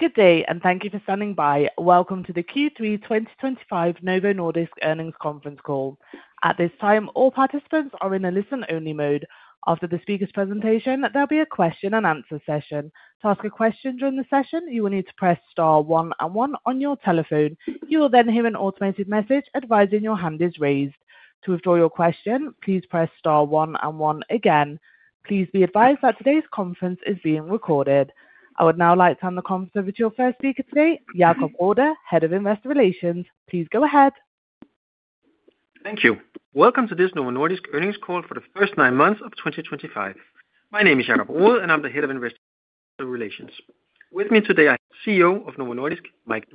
Good day and thank you for standing by. Welcome to the Q3 2025 Novo Nordisk earnings conference call. At this time all participants are in a listen only mode. After the speaker's presentation, there'll be a question and answer session. To ask a question during the session, you will need to press star one and one on your telephone. You will then hear an automated message advising your hand is raised. To withdraw your question, please press star one and one again. Please be advised that today's conference is being recorded. I would now like to hand the conference over to your first speaker today, Jakob Rode, Head of Investor Relations. Please go ahead. Thank you. Welcome to this Novo Nordisk earnings call for the first nine months of 2025. My name is Jakob Rode and I'm the Head of Investor Relations. With me today I have CEO of Novo Nordisk, Mike,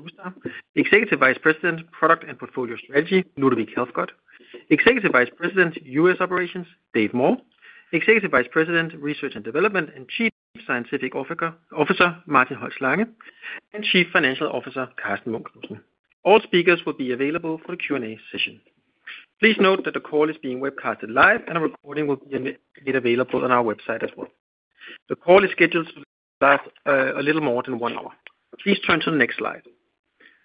Executive Vice President, Product and Portfolio Strategy, Ludovic Helfgott, Executive Vice President, US Operations Dave Moore, Executive Vice President, Research and Development and Chief Scientific Officer Martin Holst Lange, and Chief Financial Officer Karsten Munk Knudsen. All speakers will be available for the Q and A session. Please note that the call is being webcast live and a recording will be made available on our website as well. The call is scheduled to last a. Little more than one hour. Please turn to the next slide.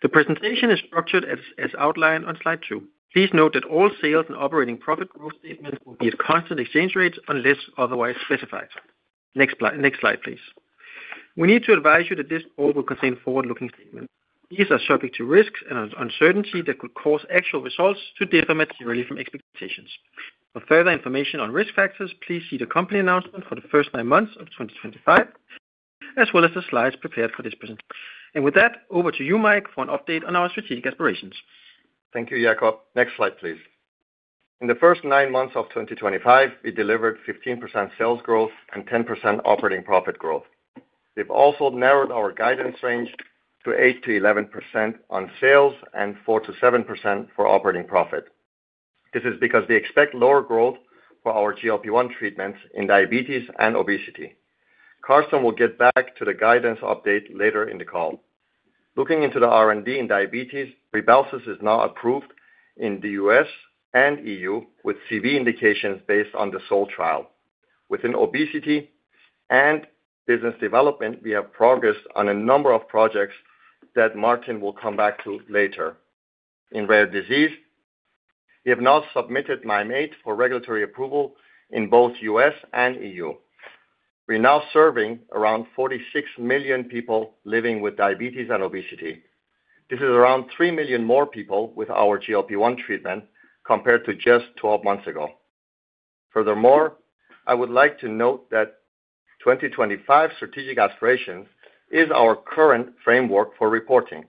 The presentation is structured as outlined on slide two. Please note that all sales and operating profit growth statements will be at constant exchange rates unless otherwise specified. Next slide, please. We need to advise you that this call will contain forward looking statements. These are subject to risks and uncertainty that could cause actual results to differ materially from expectations. For further information on risk factors, please see the company announcement for the first nine months of 2025 as well as the slides prepared for this presentation. With that, over to you, Mike, for an update on our strategic aspirations. Thank you, Jakob. Next slide please. In the first nine months of 2025 we delivered 15% sales growth and 10% operating profit growth. We've also narrowed our guidance range to 8-11% on sales and 4-7% for operating profit. This is because we expect lower growth for our GLP-1 treatments in diabetes and obesity. Karsten will get back to the guidance update later in the call. Looking into the R&D in diabetes. Rybelsus is now approved in the US and EU with CV indications based on the SOUL trial. Within obesity and business development, we have progressed on a number of projects that Martin will come back to later. In rare disease, we have now submitted Mim8 for regulatory approval in both US and EU. We're now serving around 46 million people living with diabetes and obesity. This is around 3 million more people with our GLP-1 treatment compared to just 12 months ago. Furthermore, I would like to note that 2025 strategic aspirations is our current framework for reporting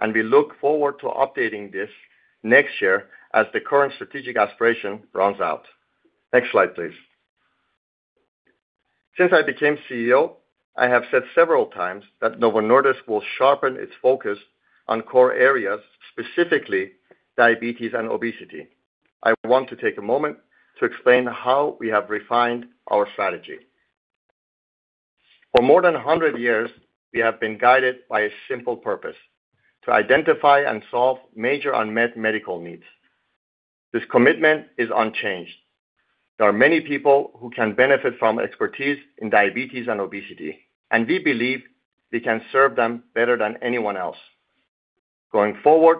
and we look forward to updating this next year as the current strategic aspiration runs out. Next slide please. Since I became CEO, I have said several times that Novo Nordisk will sharpen its focus on core areas, specifically diabetes and obesity. I want to take a moment to explain how we have refined our strategy. For more than 100 years we have been guided by a simple to identify and solve major unmet medical needs. This commitment is unchanged. There are many people who can benefit from expertise in diabetes and obesity and we believe we can serve them better than anyone else. Going forward,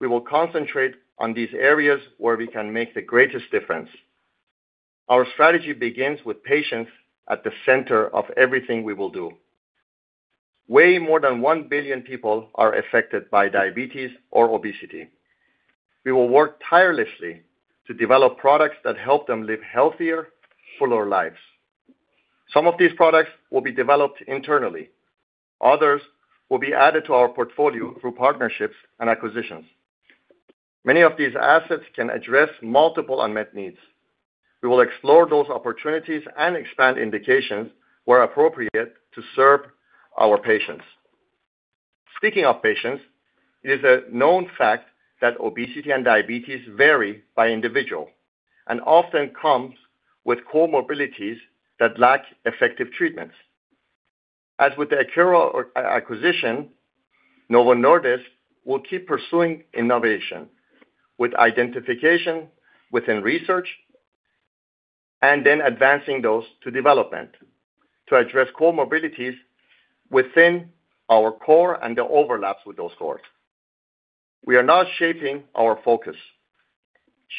we will concentrate on these areas where we can make the greatest difference. Our strategy begins with patients at the center of everything we will do. Way more than 1 billion people are affected by diabetes or obesity. We will work tirelessly to develop products that help them live healthier, fuller lives. Some of these products will be developed internally. Others will be added to our portfolio through partnerships and acquisitions. Many of these assets can address multiple unmet needs. We will explore those opportunities and expand indications where appropriate to serve our patients. Speaking of patients, it is a known fact that obesity and diabetes vary by individual and often comes with comorbidities that lack effective treatments. As with the Akero acquisition, Novo Nordisk will keep pursuing innovation with identification within research and then advancing those to development to address core morbidities within our core and the overlaps with those cores. We are now shaping our focus,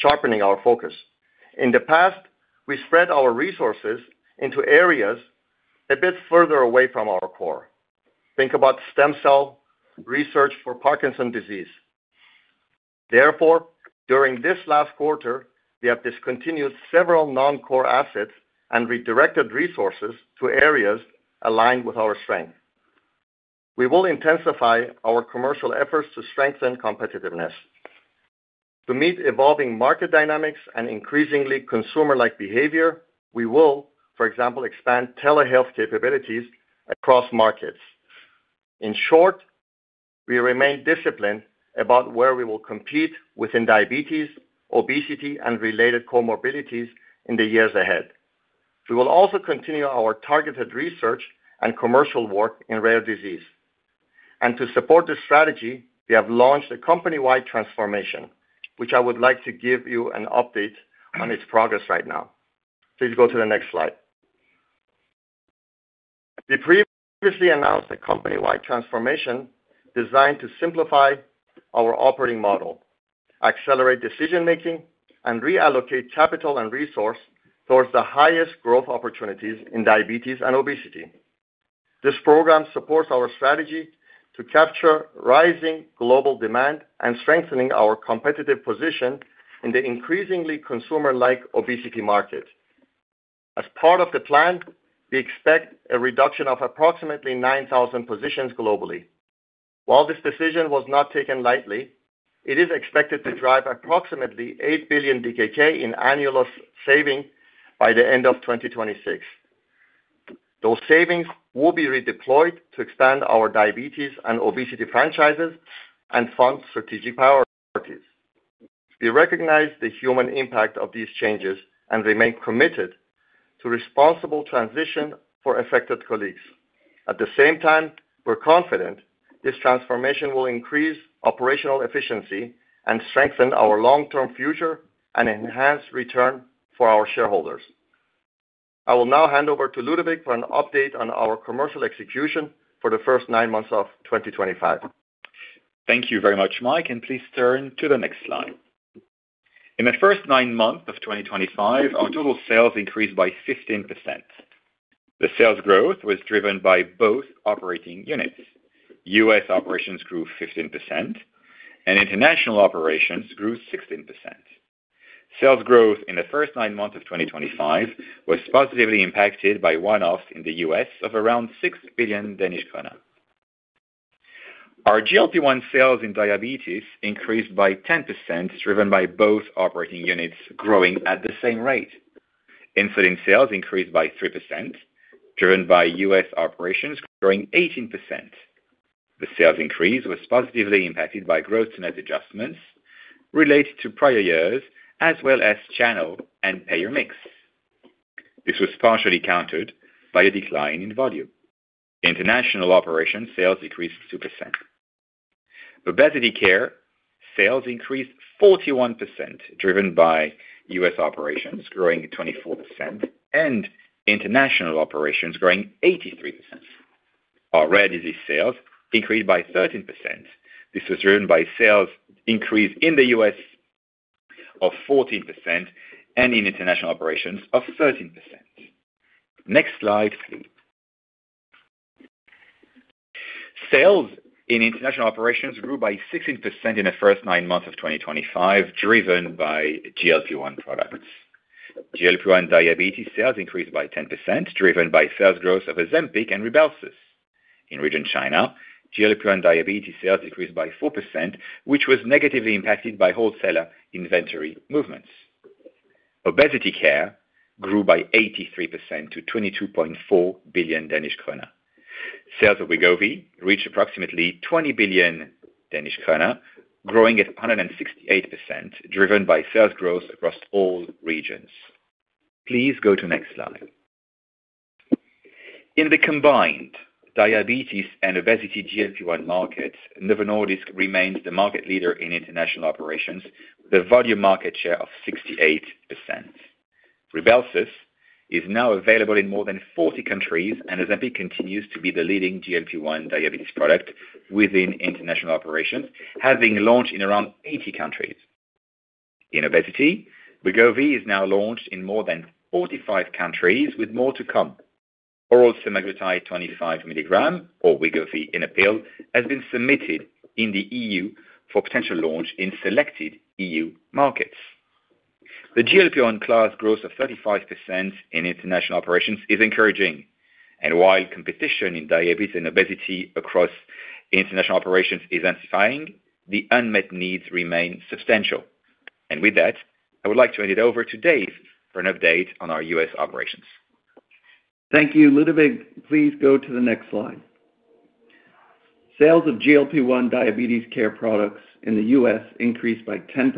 sharpening our focus. In the past, we spread our resources into areas a bit further away from our core. Think about stem cell research for Parkinson disease. Therefore, during this last quarter we have discontinued several non-core assets and redirected resources to areas aligned with our strength. We will intensify our commercial efforts to strengthen competitiveness to meet evolving market dynamics and increasingly consumer-like behavior. We will, for example, expand telehealth capabilities across markets. In short, we remain disciplined about where we will compete within diabetes, obesity, and related comorbidities in the years ahead. We will also continue our targeted research and commercial work in rare disease. To support this strategy, we have launched a company wide transformation, which I would like to give you an update on its progress right now. Please go to the next slide. We previously announced a company wide transformation designed to simplify our operating model, accelerate decision making, and reallocate capital and resource towards the highest growth opportunities in diabetes and obesity. This program supports our strategy to capture rising global demand and strengthen our competitive position in the increasingly consumer like obesity market. As part of the plan, we expect a reduction of approximately 9,000 positions globally. While this decision was not taken lightly, it is expected to drive approximately 8 billion DKK in annual saving by the end of 2026. Those savings will be redeployed to expand our diabetes and obesity franchises and fund strategic priorities. We recognize the human impact of these changes and remain committed to responsible transition for affected colleagues. At the same time, we're confident this transformation will increase operational efficiency and strengthen our long term future and enhance return for our shareholders. I will now hand over to Ludovic for an update on our commercial execution for the first nine months of 2025. Thank you very much Mike and please turn to the next slide. In the first nine months of 2025 our total sales increased by 15%. The sales growth was driven by both operating units. US operations grew 15% and international operations grew 16%. Sales growth in the first nine months of 2025 was positively impacted by one offs in the US of around 6 billion Danish krone. Our GLP-1 sales in diabetes increased by 10% driven by both operating units growing. At the same rate. Insulin sales increased by 3% driven by US operations growing 18%. The sales increase was positively impacted by gross to net adjustments related to prior years as well as channel and payer mix. This was partially countered by a decline in volume. International operations sales decreased 2%. Obesity care sales increased 41% driven by US operations growing 24% and international operations growing 83%. Our rare disease sales increased by 13%. This was driven by sales increase in the US of 14% and in international operations of 13%. Next slide please. Sales in international operations grew by 16% in the first nine months of 2025 driven by GLP-1 product. GLP-1 diabetes sales increased by 10% driven by sales growth of Ozempic and Rybelsus in region China. GLP-1 diabetes sales decreased by 4% which was negatively impacted by wholesaler inventory movements. Obesity care grew by 83% to 22.4 billion Danish krone. Sales of Wegovy reached approximately 20 billion Danish krone, growing at 168% driven by sales growth across all regions. Please go to next slide. In the combined diabetes and obesity GLP-1 market, Novo Nordisk remains the market leader in international operations with a volume market share of 68%. Rybelsus is now available in more than 40 countries and Ozempic continues to be the leading GLP-1 diabetes product within international operations, having launched in around 80 countries. In obesity, Wegovy is now launched in more than 45 countries with more to come. Oral semaglutide 25 mg or Wegovy in a pill has been submitted in the EU for potential launch in selected EU markets. The GLP-1 class growth of 35% in international operations is encouraging and while competition in diabetes and obesity across international operations is amplifying, the unmet needs remain substantial. With that I would like to hand it over to Dave for an update on our U.S. operations. Thank you, Ludovic. Please go to the next slide. Sales of GLP-1 diabetes care products in the U.S. increased by 10%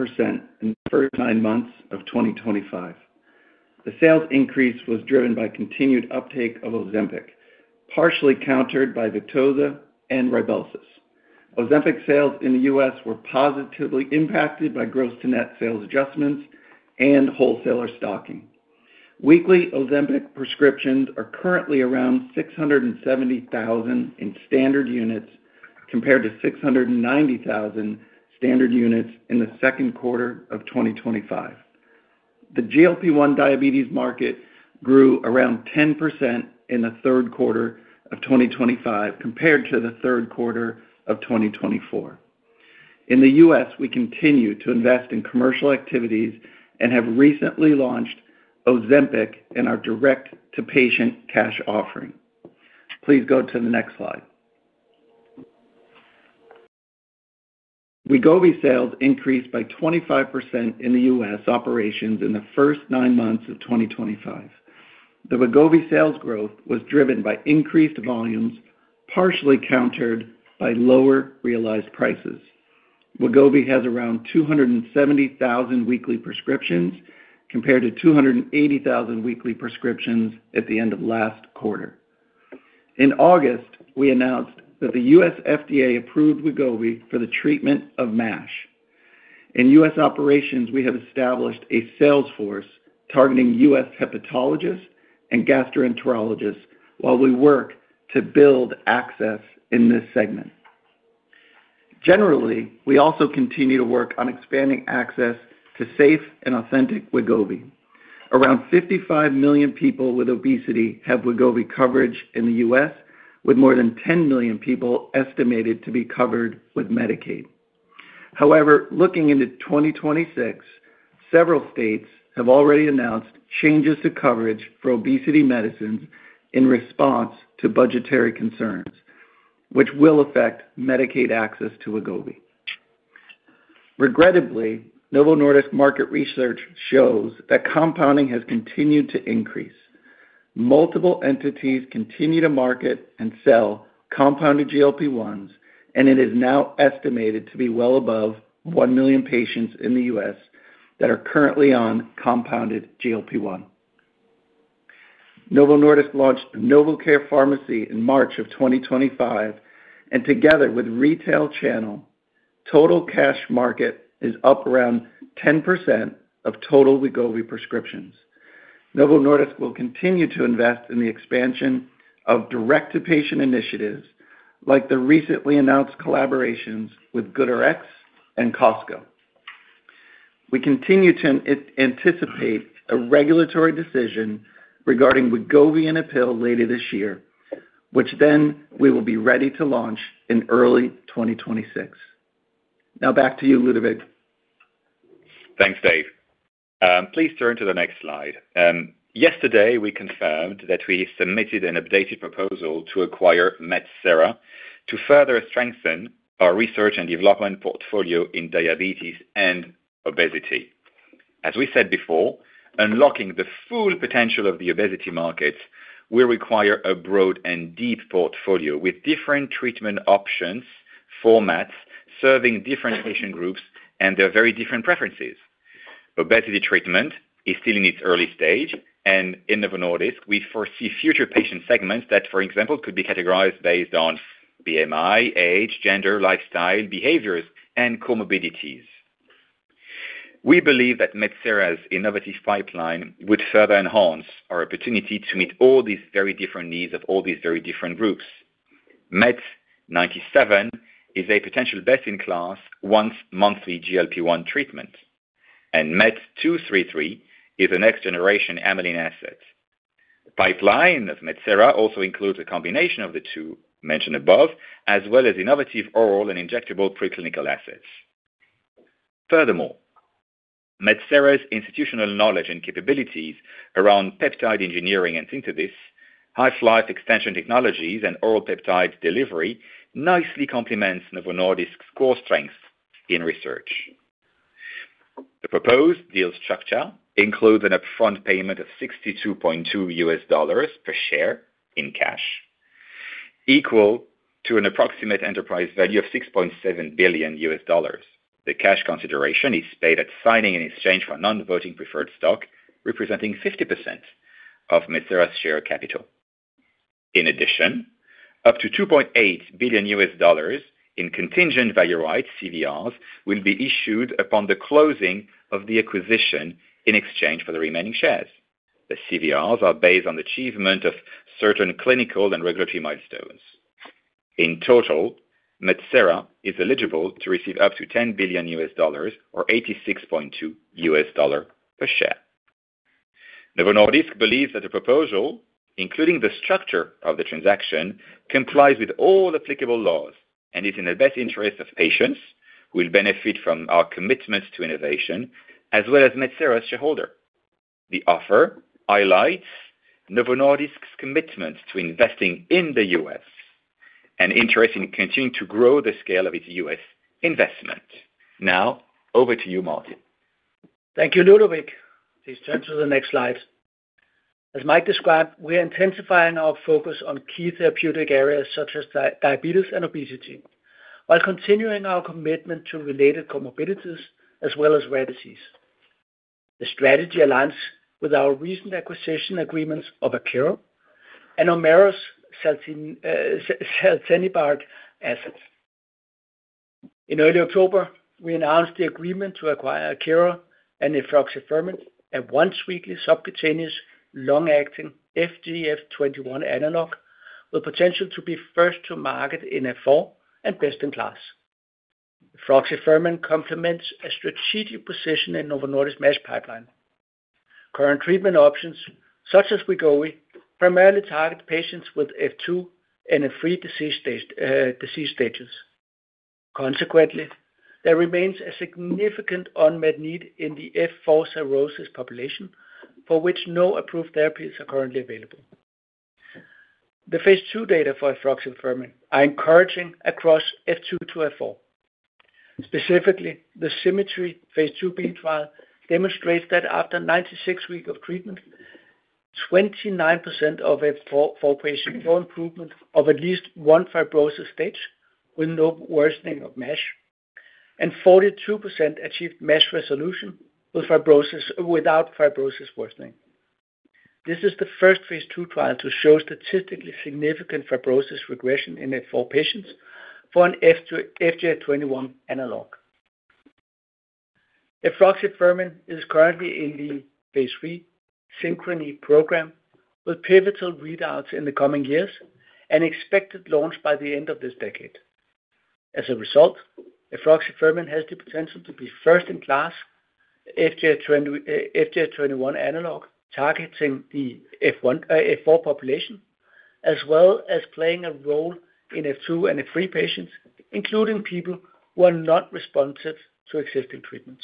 in the first nine months of 2025. The sales increase was driven by continued uptake of Ozempic, partially countered by Victoza and Rybelsus. Ozempic sales in the U.S. were positively impacted by gross to net sales adjustments and wholesaler stocking. Weekly Ozempic prescriptions are currently around 670,000 in standard units compared to 690,000 standard units in the second quarter of 2025. The GLP-1 diabetes market grew around 10% in the third quarter of 2025 compared to the third quarter of 2024 in the U.S. We continue to invest in commercial activities and have recently launched Ozempic in our direct to patient cash offering. Please go to the next. Wegovy sales increased by 25% in the U.S. operations in the first nine months of 2025. The Wegovy sales growth was driven by increased volumes partially countered by lower realized prices. Wegovy has around 270,000 weekly prescriptions compared to 280,000 weekly prescriptions at the end of last quarter. In August, we announced that the U.S. FDA approved Wegovy for the treatment of MASH in U.S. operations. We have established a sales force targeting U.S. hepatologists and gastroenterologists. While we work to build access in this segment generally, we also continue to work on expanding access to safe and authentic Wegovy. Around 55 million people with obesity have Wegovy coverage in the U.S., with more than 10 million people estimated to be covered with Medicaid. However, looking into 2026, several states have already announced changes to coverage for obesity medicines in response to budgetary concerns, which will affect Medicaid access to Wegovy. Regrettably, Novo Nordisk market research shows that compounding has continued to increase. Multiple entities continue to market and sell compounded GLP-1s and it is now estimated to be well above 1 million patients in the US that are currently on compounded GLP-1. Novo Nordisk launched NovoCare Pharmacy in March of 2025 and together with retail channel total cash market is up around 10% of total Wegovy prescriptions. Novo Nordisk will continue to invest in the expansion of direct to patient initiatives like the recently announced collaborations with GoodRx and Costco. We continue to anticipate a regulatory decision regarding Wegovy Pill later this year which then we will be ready to launch in early 2026. Now back to you, Ludovic. Thanks Dave. Please turn to the next slide. Yesterday we confirmed that we submitted an updated proposal to acquire Medcera to further strengthen our research and development portfolio in diabetes and obesity. As we said before, unlocking the full potential of the obesity market will require a broad and deep portfolio with treatment options, formats, serving different patient groups and their very different preferences. Obesity treatment is still in its early stage and in Novo Nordisk we foresee future patient segments that for example could be categorized based on BMI, age, gender, lifestyle behaviors and comorbidities. We believe that Medcera's innovative pipeline would further enhance our opportunity to meet all these very different needs. Of all these very different groups, MET 97 is a potential best in class once monthly GLP-1 treatment and MET 233 is a next generation amylin asset. The pipeline of Medcera also includes a combination of the two mentioned above, as well as innovative oral and injectable preclinical assets. Furthermore, Medcera's institutional knowledge and capabilities around peptide engineering and synthesis, high flight extension technologies and oral peptide delivery nicely complements Novo Nordisk's core strength in research. The proposed deal structure includes an upfront payment of $62.2 per share in cash equal to an approximate enterprise value of $6.7 billion. The cash consideration is paid at signing in exchange for a non voting preferred stock representing 50% of Medcera's share capital. In addition, up to $2.8 billion in contingent value rights will be issued upon the closing of the acquisition in exchange for the remaining shares. The CVRs are based on the achievement of certain clinical and regulatory milestones. In total, Medcera is eligible to receive up to $10 billion or $86.2 per share. Novo Nordisk believes that the proposal, including the structure of the transaction, complies with all applicable laws and is in the best interest of patients who will benefit from our commitment to innovation as well as Medcera's shareholder. The offer highlights Novo Nordisk's commitment to investing in the US and interest in continuing to grow the scale of its US investment. Now over to you Martin. Thank you, Ludovic. Please turn to the next slide. As Mike described, we are intensifying our focus on key therapeutic areas such as diabetes and obesity while continuing our commitment to related comorbidities as well as rare disease. The strategy aligns with our recent acquisition agreements of Ameris and Celtentibart assets. In early October we announced the agreement to acquire Akero and efruxifermin, a once weekly subcutaneous long acting FGF21 analog with potential to be first to market in F4 and best in class. Efruxifermin complements a strategic position in Novo Nordisk MASH pipeline. Current treatment options such as Wegovy primarily target patients with F2 and F3 disease stages. Consequently, there remains a significant unmet need in the F4 cirrhosis population for which no approved therapies are currently available. The phase II data for efruxifermin are encouraging across F2 to F4. Specifically, the Symmetry phase 2b trial demonstrates that after 96 weeks of treatment, 29% of folks had improvement of at least one fibrosis stage with no worsening of MASH and 42% achieved MASH resolution without fibrosis worsening. This is the first phase II trial to show statistically significant fibrosis regression in F4 patients for an FGF21 analog, efruxifermin. Efruxifermin is currently in the phase III Synchrony program with pivotal readouts in the coming years and expected launch by the end of this decade. As a result, efruxifermin has the potential to be first-in-class FGF21 analog targeting the F4 population as well as playing a role in F2 and F3 patients, including people who are not responsive to existing treatments.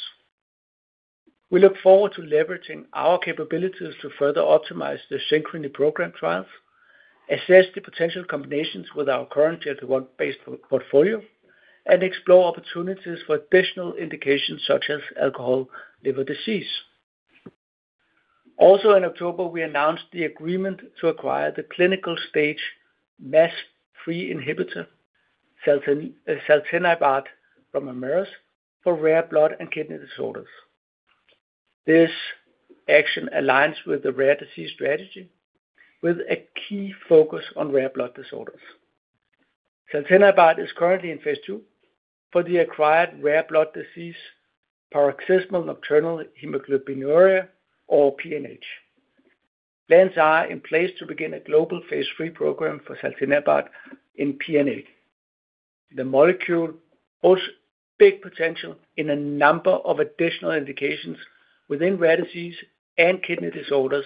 We look forward to leveraging our capabilities to further optimize the Synchrony program trials, assess the potential combinations with our current GLP-1 based portfolio, and explore opportunities for additional indications such as alcohol liver disease. Also in October, we announced the agreement to acquire the clinical stage MASH-free inhibitor Celtentibart from Ameris for rare blood and kidney disorders. This action aligns with the rare disease strategy with a key focus on rare blood disorders. Celtentibart is currently in phase II for the acquired rare blood disease paroxysmal nocturnal hemoglobinuria or PNH. Plans are in place to begin a global phase III program for Celtentibart in PNH. The molecule holds big potential in a number of additional indications within rare disease and kidney disorders,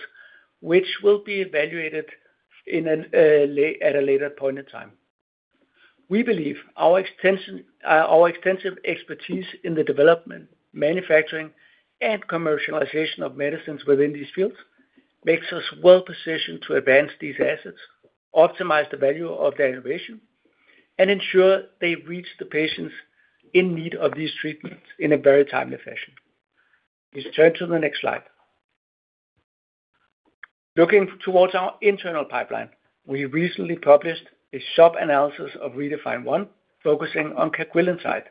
which will be evaluated at a later point in time. We believe our extensive expertise in the development, manufacturing and commercialization of medicines within these fields makes us well positioned to advance these assets, optimize the value of their innovation and ensure they reach the patients in need of these treatments in a very timely fashion. Please turn to the next slide. Looking towards our internal pipeline, we recently published a sub analysis of Redefine 1 focusing on CagriSema.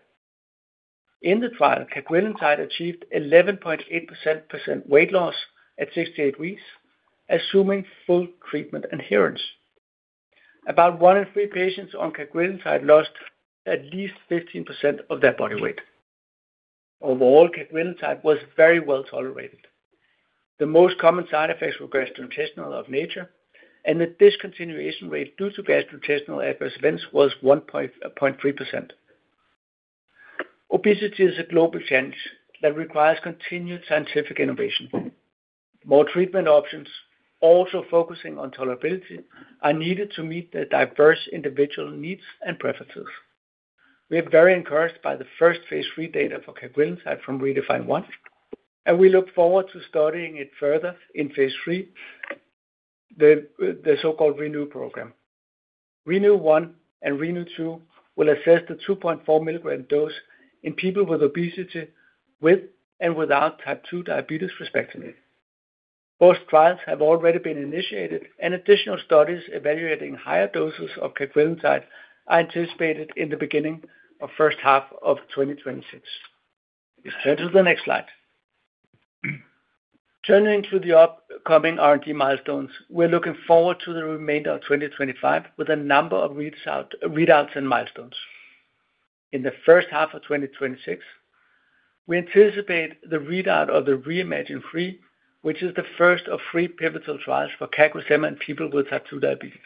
In the trial, CagriSema achieved 11.8% weight loss at 68 weeks, assuming full treatment adherence. About one in three patients on CagriSema lost at least 15% of their body weight. Overall, CagriSema was very well tolerated. The most common side effects were gastrointestinal in nature and the discontinuation rate due to gastrointestinal adverse events was 1.3%. Obesity is a global challenge that requires continued scientific innovation. More treatment options also focusing on tolerability are needed to meet the diverse individual needs and preferences. We are very encouraged by the first phase III data for CagriSema from REDEFINE 1 and we look forward to studying it further. In phase III, the so-called ReNew program, ReNew 1 and ReNew 2 will assess the 2.4 mg dose in people with obesity with and without type 2 diabetes, respectively. Both trials have already been initiated and additional studies evaluating higher doses of CagriSema are anticipated in the beginning of the first half of 2026. Let's turn to the next slide. Turning to the upcoming R&D milestones, we're looking forward to the remainder of 2025 with a number of readouts and milestones. In the first half of 2026 we anticipate the readout of ReIMAGINE 3, which is the first of three pivotal trials for CagriSema in people with type 2 diabetes.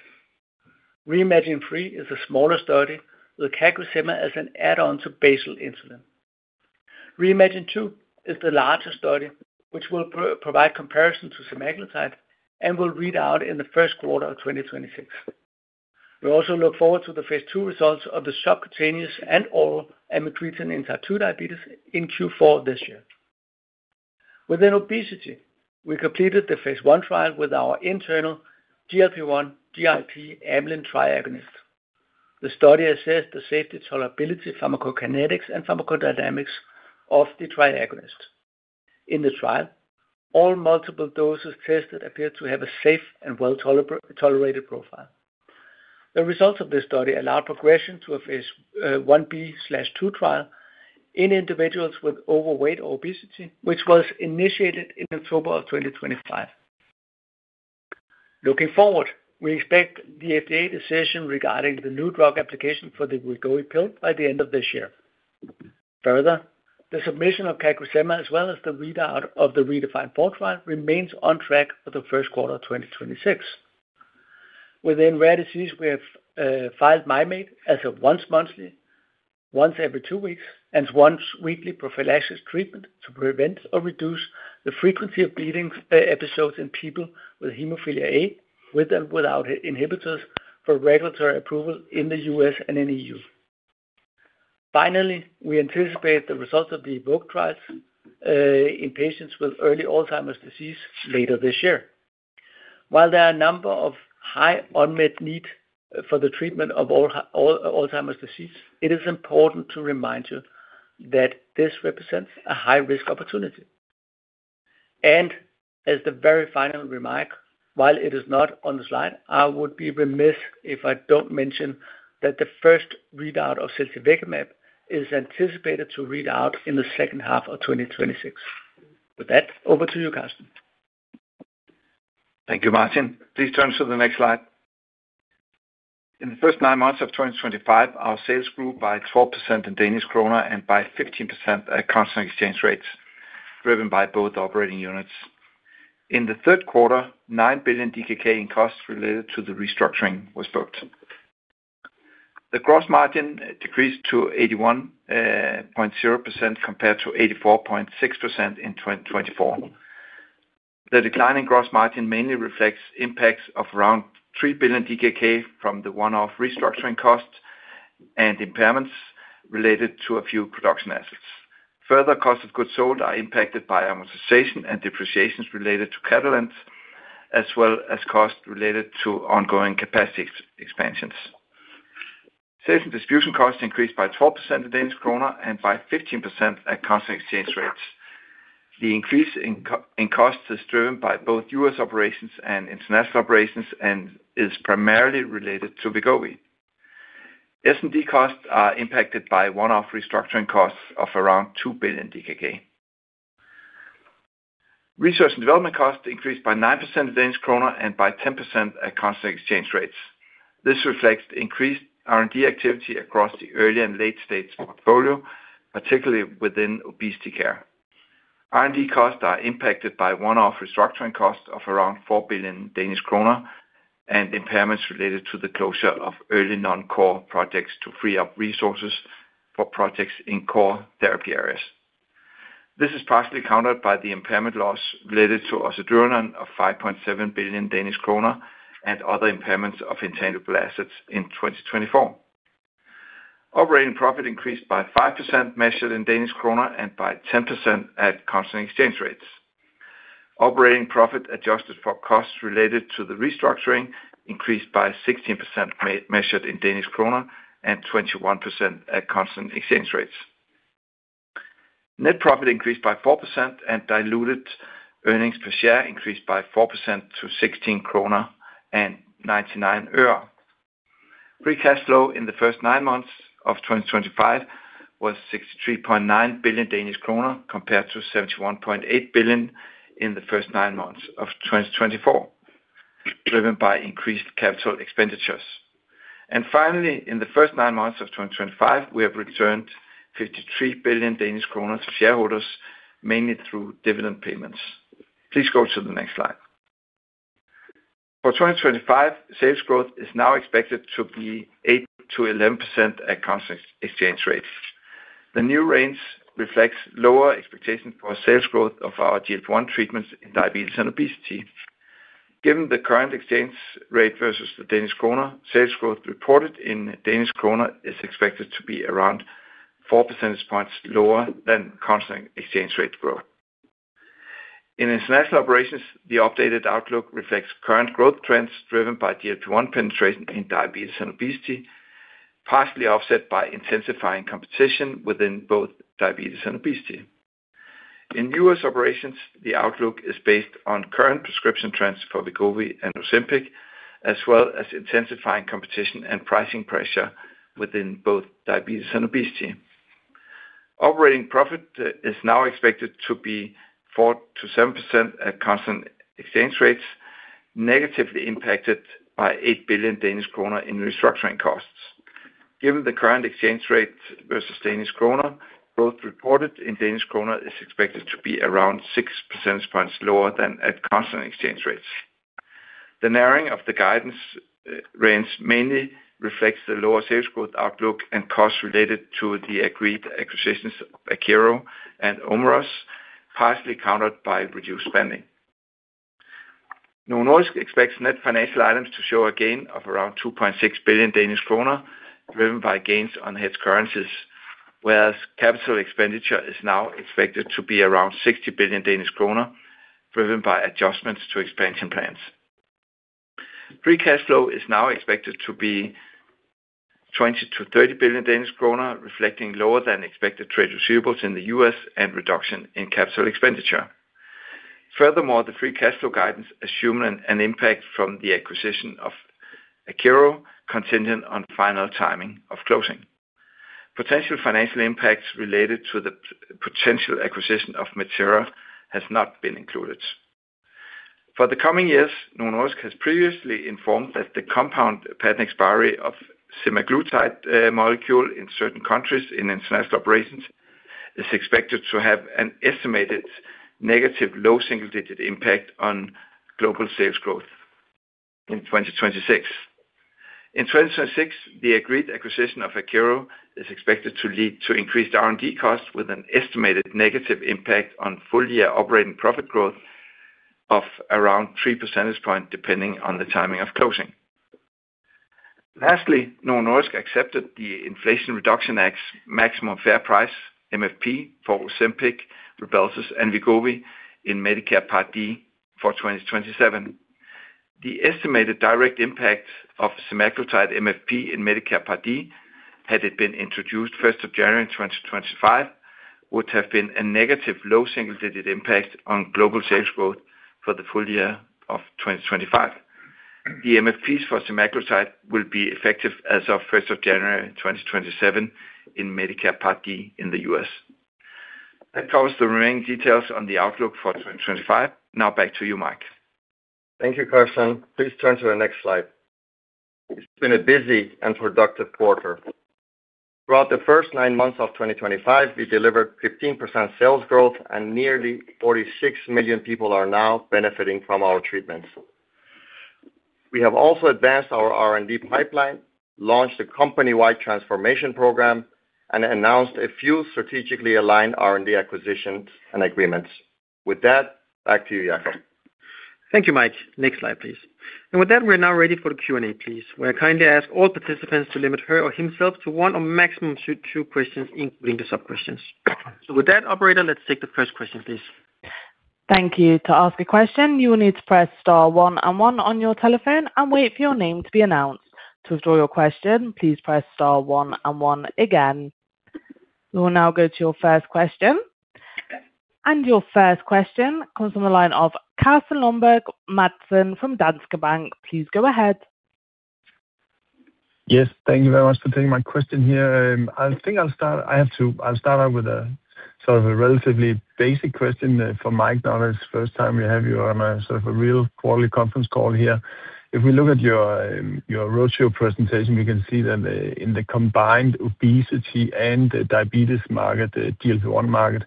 Reimagine 3 is a smaller study with CagriSema as an add-on to basal insulin. Reimagine 2 is the larger study which will provide comparison to semaglutide and will read out in the first quarter of 2026. We also look forward to the phase II results of the subcutaneous and oral amycretin in type 2 diabetes in Q4. This year within obesity we completed the phase I trial with our internal GLP-1 GIP amylin triagonist. The study assessed the safety, tolerability, pharmacokinetics, and pharmacodynamics of the triagonist in the trial. All multiple doses tested appear to have a safe and well-tolerated profile. The results of this study allowed progression to a phase 1b/2 trial in individuals with overweight or obesity which was initiated in October of 2025. Looking forward, we expect the FDA decision regarding the new drug application for the Wegovy Pill by the end of this year. Further, the submission of CagriSema as well as the readout of the redefined portfolio remains on track for the first quarter 2026. Within rare disease we have filed Mim8 as a once monthly, once every two weeks, and once weekly prophylaxis treatment to prevent or reduce the frequency of bleeding episodes in people with hemophilia A with and without inhibitors for regulatory approval in the U.S. and in EU. Finally, we anticipate the results of the evoke trials in patients with early Alzheimer's disease later this year. While there are a number of high unmet need for the treatment of Alzheimer's disease, it is important to remind you that this represents a high risk opportunity. As the very final remark, while it is not on the slide, I would be remiss if I do not mention that the first readout of Celtentibart is anticipated to read out in the second half of 2026. With that, over to you, Karsten. Thank you Martin. Please turn to the next slide. In the first nine months of 2025 our sales grew by 12% in Danish krone and by 15% at constant exchange rates driven by both operating units. In the third quarter, 9 billion DKK in costs related to the restructuring was booked. The gross margin decreased to 81.0% compared to 84.6% in 2024. The decline in gross margin mainly reflects impacts of around 3 billion DKK from the one-off restructuring costs and impairments related to a few production assets. Further, cost of goods sold are impacted by amortization and depreciations related to Catalent as well as costs related to ongoing capacity expansions. Sales and distribution costs increased by 12% at Danish krone and by 15% at constant exchange rates. The increase in costs is driven by both US operations and international operations and is primarily related to Wegovy S and D. Costs are impacted by one-off restructuring costs of around 2 billion DKK. Research and development cost increased by 9% at Danish krone and by 10% at constant exchange rates. This reflects increased R and D activity across the early and late stage portfolio, particularly within obesity care. R and D costs are impacted by one-off restructuring costs of around 4 billion Danish kroner and impairments related to the closure of early non-core projects to free up resources for projects in core therapy areas. This is partially countered by the impairment loss related to Osadurnan of 5.7 billion Danish kroner and other impairments of intangible assets. In 2024, operating profit increased by 5% measured in Danish kroner and by 10% at constant exchange rates. Operating profit adjusted for costs related to the restructuring increased by 16% measured in DKK and 21% at constant exchange rates. Net profit increased by 4% and diluted earnings per share increased by 4% to 16.99 krone. Free cash flow in the first nine months of 2025 was 63.9 billion Danish kroner compared to 71.8 billion in the first nine months of 2024 driven by increased capital expenditures. Finally, in the first nine months of 2025 we have returned 53 billion Danish kroner to shareholders mainly through dividend payments. Please go to the next slide for 2025. Sales growth is now expected to be 8-11% at constant exchange rates. The new range reflects lower expectations for sales growth of our GLP-1 treatments in diabetes and obesity. Given the current exchange rate versus the Danish krone, sales growth reported in Danish krone is expected to be around 4 percentage points lower than constant exchange rate growth in international operations. The updated outlook reflects current growth trends driven by GLP-1 penetration in diabetes and obesity, partially offset by intensifying competition within both diabetes and obesity in US Operations. The outlook is based on current prescription trends for Wegovy and Ozempic as well as intensifying competition and pricing pressure within both diabetes and obesity. Operating profit is now expected to be 4-7% at constant exchange rates, negatively impacted by 8 billion Danish kroner in restructuring costs. Given the current exchange rate versus Danish krone, growth reported in Danish krone is expected to be around 6 percentage points lower than at constant exchange rates. The narrowing of the guidance range mainly reflects the lower sales growth outlook and costs related to the agreed acquisitions of Akero and Ameris, partially countered by reduced spending. Novo Nordisk expects net financial items to show a gain of around 2.6 billion Danish kroner driven by gains on hedge currencies, whereas capital expenditure is now expected to be around 60 billion Danish kroner driven by adjustments to expansion plans. Free cash flow is now expected to be 20-30 billion Danish kroner reflecting lower than expected trade receivables in the US and reduction in capital expenses. Furthermore, the free cash flow guidance assumed an impact from the acquisition of Akero contingent on final timing of closing. Potential financial impacts related to the potential acquisition of Medcera has not been included for the coming years. Nordisk has previously informed that the compound patent expiry of semaglutide molecule in certain countries in international operations is expected to have an estimated negative low single-digit impact on global sales growth in 2026. In 2026, the agreed acquisition of Akero is expected to lead to increased R&D costs with an estimated negative impact on full-year operating profit growth of around 3 percentage points depending on the timing of closing. Lastly, Novo Nordisk accepted the Inflation Reduction Act's maximum fair price MFP for Ozempic, Rybelsus, and Wegovy in Medicare Part D for 2027. The estimated direct impact of semaglutide MFP in Medicare Part D had it been introduced 1st of January 2025 would have been a negative low single-digit impact on global sales growth for the full year of 2025. The MFPS for semaglutide will be effective as of January 1, 2027 in Medicare Part D in the US that covers the remaining details on the outlook for 2025. Now back to you, Mike. Thank you, Carson. Please turn to the next slide. It's been a busy and productive quarter throughout the first nine months of 2025. We delivered 15% sales growth and nearly 46 million people are now benefiting from our treatments. We have also advanced our R&D pipeline, launched a company-wide transformation program, and announced a few strategically aligned R&D acquisitions and agreements. With that, back to you, Jakob. Thank you, Mike. Next slide please. With that, we're now ready for questions. The Q and A, please, where I. Kindly ask all participants to limit her or himself to one or maximum two questions, including the sub questions. With that, operator, let's take the first question please. Thank you. To ask a question, you will need to press star one and one on your telephone and wait for your name to be announced. To withdraw your question, please press star one and one again. We will now go to your first question. Your first question comes from the line of Carsten Lomberg Madsen from Danske Bank. Please go ahead. Yes, thank you very much for taking my question here. I think I'll start. I have to. I'll start out with a sort of a relatively basic question for Mike. Now, it's the first time we have you on a sort of a real quarterly conference call here. If we look at your roadshow presentation, we can see that in the combined obesity and diabetes market, the GLP-1 market,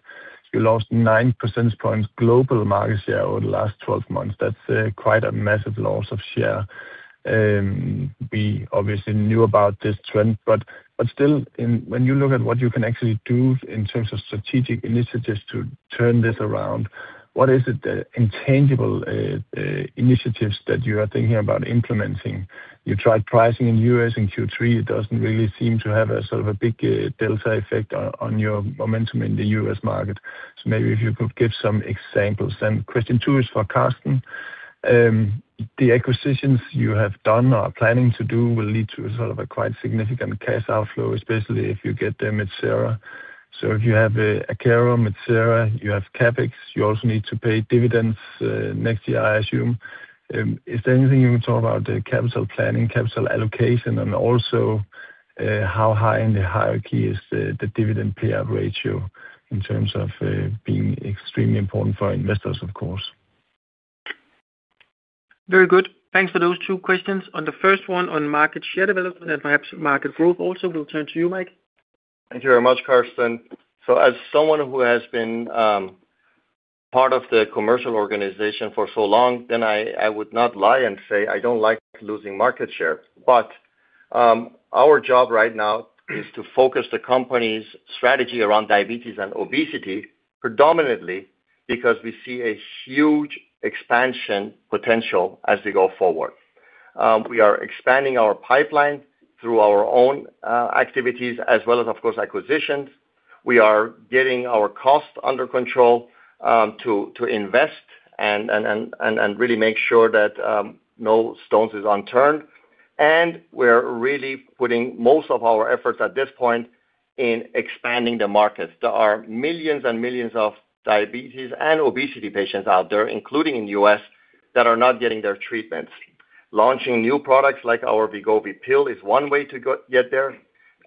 you lost 9 percentage points global market share over the last 12 months. That's quite a massive loss of share. We obviously knew about this trend, but still, when you look at what you can actually do in terms of strategic initiatives to turn this around, what is it? The intangible initiatives that you are thinking about implementing? You tried pricing in the US in Q3. It doesn't really seem to have a sort of a big delta effect on your momentum in the US market. Maybe if you could give some examples. Question two is, for Karsten, the acquisitions you have done or are planning to do will lead to quite significant cash outflow, especially if you get them at Medcera. If you have Akero, Medcera, you have CapEx, you also need to pay dividends next year, I assume. Is there anything you can talk about regarding the capital planning, capital allocation, and also how high in the hierarchy is the dividend payout ratio in terms of being extremely important for investors? Of course. Very good. Thanks for those two questions. On the first one on market share development and perhaps market growth also, we'll turn to you, Mike. Thank you very much, Carsten. As someone who has been part of the commercial organization for so long, I would not lie and say I don't like losing market share. Our job right now is to focus the company's strategy around diabetes and obesity, predominantly because we see a huge expansion potential as we go forward. We are expanding our pipeline through our own activities as well as, of course, acquisitions. We are getting our costs under control to invest and really make sure that no stone is unturned. We are really putting most of our efforts at this point in expanding the market. There are millions and millions of diabetes and obesity patients out there, including in the U.S., that are not getting their treatments. Launching new products like our Wegovy Pill is one way to get there.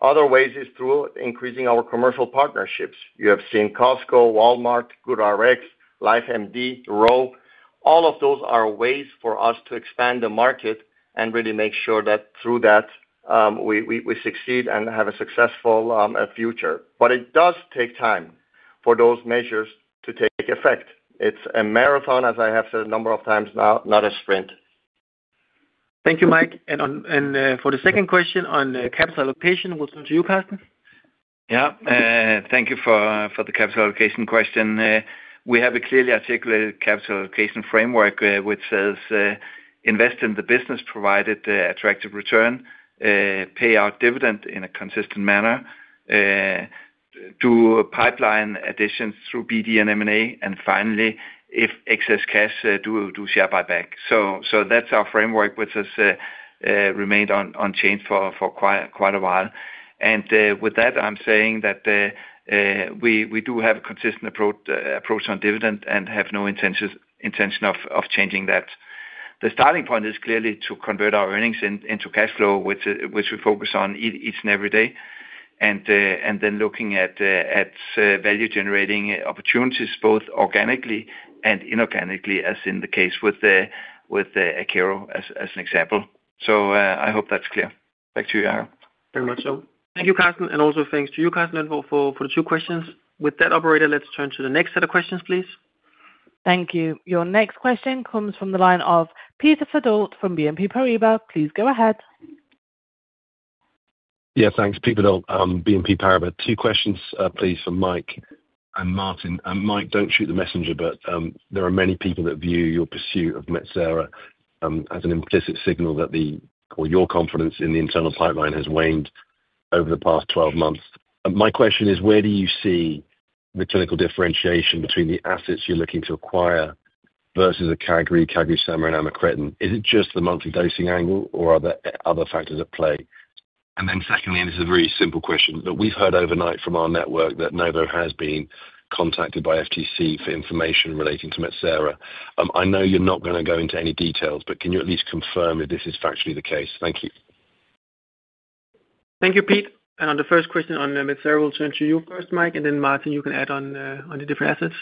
Other ways are through increasing our commercial partnerships. You have seen Costco, Walmart, GoodRx, LifeMD, RO, all of those are ways for us to expand the market and really make sure that through that we succeed and have a successful future. It does take time for those measures to take effect. It is a marathon, as I have said a number of times now, not a sprint. Thank you, Mike. For the second question on capital allocation, we'll turn to you, Karsten. Yeah, thank you for the capital allocation question. We have a clearly articulated capital allocation framework which says invest in the business provided attractive return, pay our dividend in a consistent manner, do pipeline additions through BD&M and A. Finally, if excess cash, do share buyback. That is our framework which has remained unchanged for quite a while. With that, I am saying that we do have a consistent approach on dividend and have no intention of changing that. The starting point is clearly to convert our earnings into cash flow, which we focus on each and every day, and then looking at value generating opportunities both organically and inorganically, as in the case with Akero as an example. I hope that is clear back to you. Very much so. Thank you, Karsten. Also, thanks to you, Carsten, for the two questions with that operator. Let's turn to the next set of questions, please. Thank you. Your next question comes from the line of Peter Verdult from BNP Paribas. Please go ahead. Yeah, thanks. Peter Fiddault, BNP Paribas. Two questions please, for Mike and Martin. Mike, do not shoot the messenger, but there are many people that view your pursuit of Medcera as an implicit signal that your confidence in the internal pipeline has waned over the past 12 months. My question is, where do you see the clinical differentiation between the assets you are looking to acquire versus CagriSema and amycretin? Is it just the monthly dosing angle or are there other factors at play? Secondly, and this is a. Very simple question, we've heard overnight from our network that Novo has been contacted by FTC for information relating to Mitcera. I know you're not going to go into any details, but can you at least confirm if this is factually the case? Thank you. Thank you, Pete. On the first question on Medcera, we'll turn to you first, Mike, and then Martin, you can add on the different assets.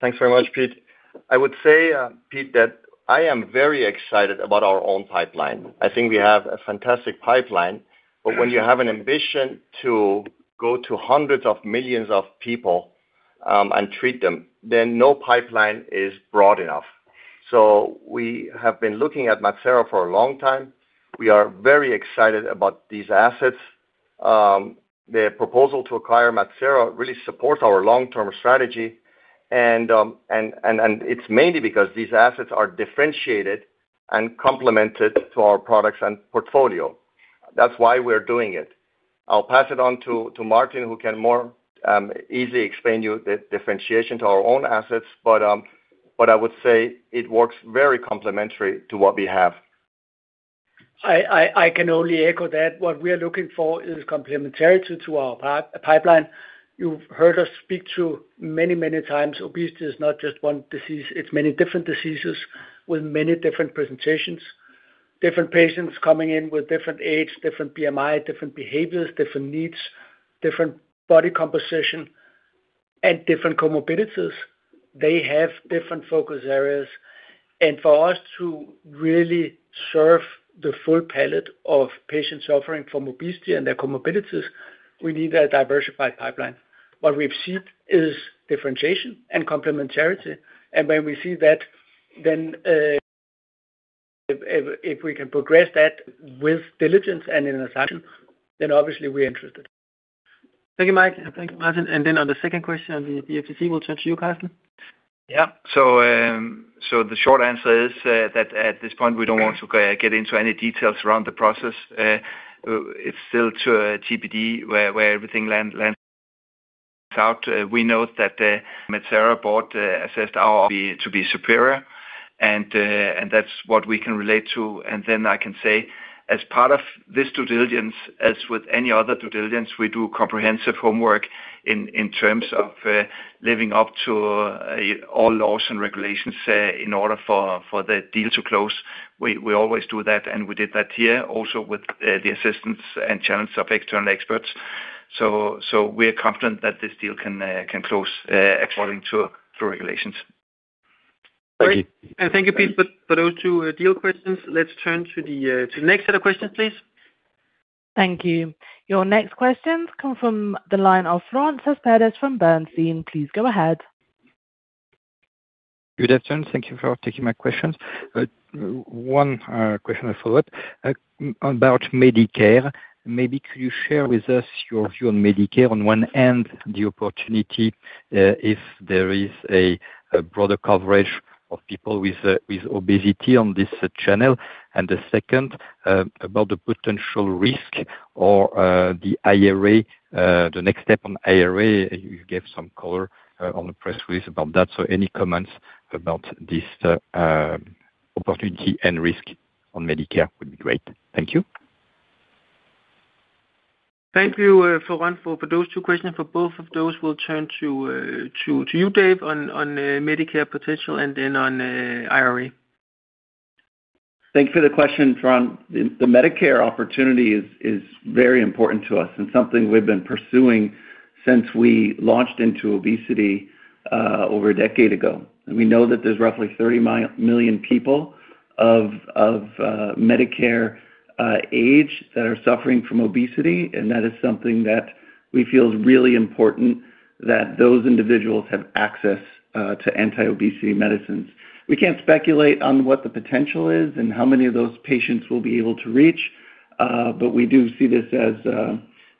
Thanks very much, Pete. I would say, Pete, that I am very excited about our own pipeline. I think we have a fantastic pipeline, but when you have an ambition to go to hundreds of millions of people and treat them, then no pipeline is broad enough. We have been looking at Medcera for a long time. We are very excited about these assets. The proposal to acquire Medcera really supports our long term strategy and it is mainly because these assets are differentiated, complementary to our products and portfolio. That is why we are doing it. I will pass it on to Martin, who can more easily explain to you the differentiation to our own assets. I would say it works very complementary to what we have. I can only echo that. What we are looking for is complementary to our pipeline. You've heard us speak through many, many times. Obesity is not just one disease. It's many different diseases with many different presentations, different patients coming in with different age, different BMI, different behaviors, different needs, different body composition, and different comorbidities. They have different focus areas. For us to really serve the full palette of patients suffering from obesity and their comorbidities, we need a diversified pipeline. What we've seen is differentiation and complementarity. When we see that, if we can progress that with diligence and in assumption, then obviously we're interested. Thank you, Mike. Thank you, Martin. On the second question, the FTC will turn to you, Karsten. Yeah, so the short answer is that at this point we don't want to get into any details around the process. It's still to a TPT where everything lands out. We know that Medcera board assessed ours to be superior and that's what we can relate to. I can say as part of this due diligence, as with any other due diligence, we do comprehensive homework in terms of living up to all laws and regulations in order for the deal to close. We always do that and we did that here also with the assistance and challenge of external experts. We are confident that this deal can close according to the regulations. Thank you, and thank you, Pete, for those two deal questions. Let's turn to the next set of questions, please. Thank you. Your next questions come from the line of Florent Cespedes from Bernstein. Please go ahead. Good afternoon. Thank you for taking my questions. One question I followed about Medicare, maybe. Could you share with us your view on Medicare? On one end the opportunity is there. Is a broader coverage of people with. Obesity on this channel. The second about the potential risk or the IRA. The next step on IRA. You gave some color on the press release about that. Any comments about this opportunity? Risk on Medicare would be great. Thank you. Thank you for those two questions. For both of those, we'll turn to you, Dave, on Medicare potential and then on IRA. Thank you for the question, Fern. The Medicare opportunity is very important to us and something we've been pursuing since we launched into obesity over a decade ago. We know that there's roughly 30 million people of Medicare age that are suffering from obesity and that is something that we feel is really important, that those individuals have access to anti-obesity medicines. We can't speculate on what the potential is and how many of those patients we will be able to reach. We do see this as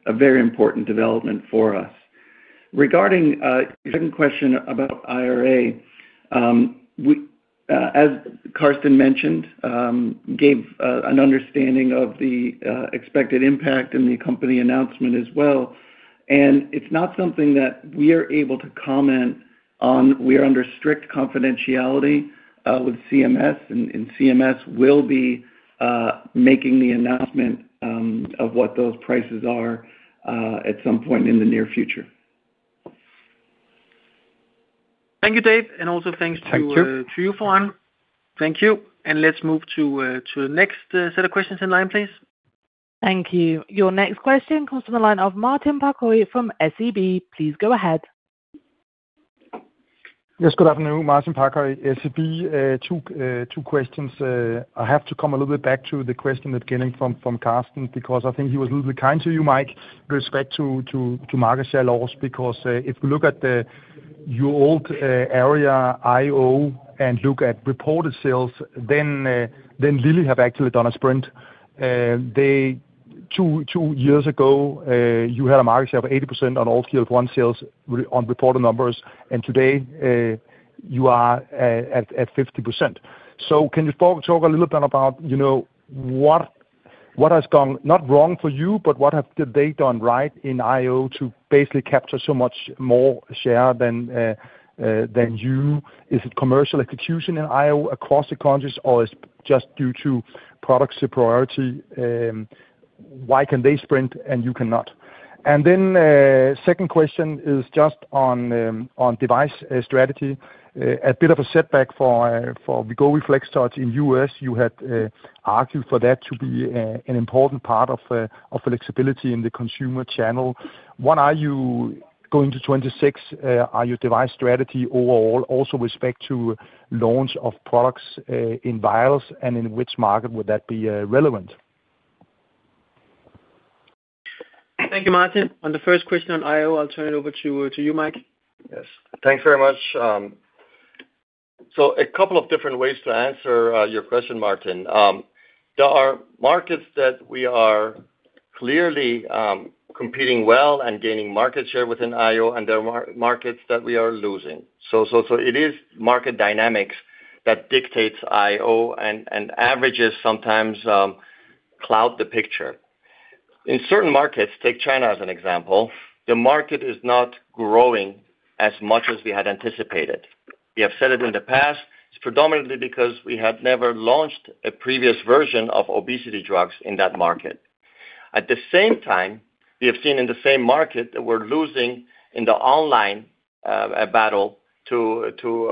a very important development for us. Regarding your second question about Ira. As. Karsten mentioned gave an understanding of the expected impact in the company announcement as well. It is not something that we are able to comment on. We are under strict confidentiality with CMS and CMS will be making the announcement of what those prices are at some point in the near future. Thank you, Dave. Also, thanks to you for one. Thank you. Let's move to the next set of questions in line, please. Thank you. Your next question comes from the line of Martin Parkhøi from SEB. Please go ahead. Yes, good afternoon, Martin Parkhøi. SEB. Two questions. I have to come a little bit back to the question that getting from. From Karsten because I think he was a little kind to you, Mike, with respect to market share loss because if. We look at the old area IO and look at reported sales, then Lilly. Have actually done a sprint. Two years ago you had a market share of 80% on all field one sales on reported numbers and today you are at 50%. Can you talk a little bit. About. What has gone not wrong for you but what have they done right? In I.O. to basically capture so. Much more share than you. Is it commercial execution in I.O.? Across the countries or is just due to product superiority? Why can they sprint and you cannot? The second question is just on device strategy. A bit of a setback for Wegovy FlexStart in the US. You had argued for that to be. An important part of flexibility in the consumer channel. What are you going to 26 are. Your device strategy overall also respect to. Launch of products in vials and in. Which market would that be relevant? Thank you, Martin. On the first question on IO, I'll turn it over to you, Mike. Yes, thanks very much. A couple of different ways to answer your question, Martin. There are markets that we are clearly competing well and gaining market share within IO and there are markets that we are losing. It is market dynamics that dictates IO and averages sometimes cloud the picture in certain markets. Take China as an example. The market is not growing as much as we had anticipated. We have said it in the past. It is predominantly because we had never launched a previous version of obesity drugs in that market. At the same time, we have seen in the same market that we are losing in the online battle to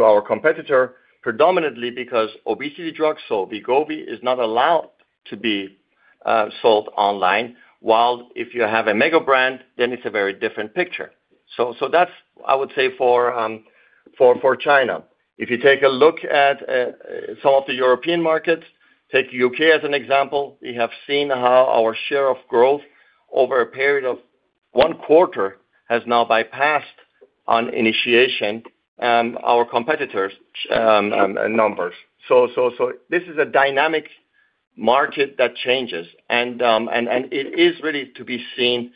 our competitor, predominantly because obesity drugs. Wegovy is not allowed to be sold online while if you have a mega brand then it is a very different picture. That is, I would say, for China. If you take a look at some of the European markets, take U.K. as an example, we have seen how our share of growth over a period of one quarter has now bypassed on initiation our competitor's numbers. This is a dynamic market that changes, and it is really to be seen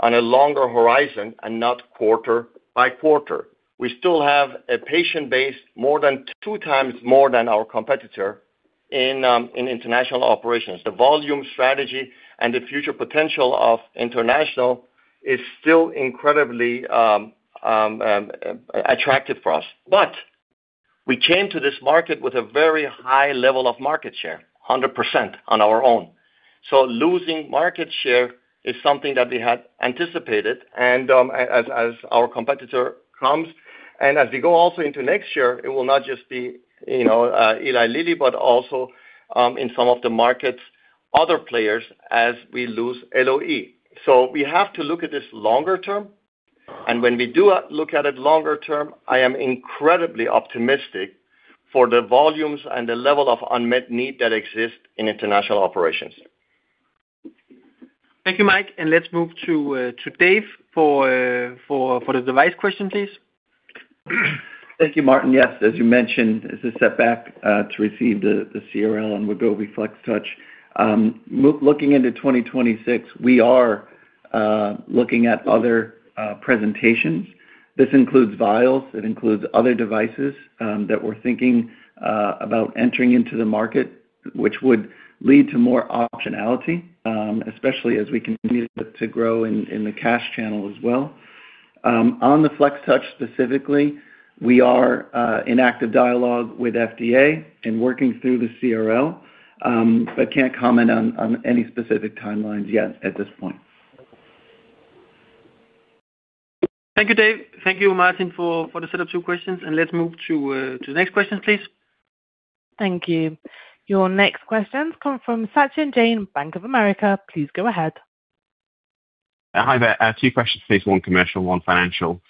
on a longer horizon and not quarter by quarter. We still have a patient base more than two times more than our competitor in international operations. The volume strategy and the future potential of international is still incredibly attractive for us. We came to this market with a very high level of market share, 100% on our own. Losing market share is something that we had anticipated and as our competitor comes and as we go also into next year it will not just be Eli Lilly but also in some of the markets other players as we lose LOE. We have to look at this longer term and when we do look at it longer term I am incredibly optimistic for the volumes and the level of unmet need that exist in international operations. Thank you Mike and let's move to Dave for the device question please. Thank you, Martin. Yes, as you mentioned it's a setback to receive the CRL and Wegovy FlexTouch. Looking into 2024, we are looking at other presentations. This includes vials, it includes other devices that we're thinking about entering into the market which would lead to more optionality especially as we continue to grow in the cash channel as well. On the FlexTouch specifically, we are in active dialogue with FDA and working through the CRL but can't comment on any specific timelines yet at this point. Thank you, Dave. Thank you, Martin, for the setup. Two questions, and let's move to the next questions, please. Thank you. Your next questions come from Sachin Jain, Bank of America. Please go ahead. Hi there. Two questions please. One commercial, one financial.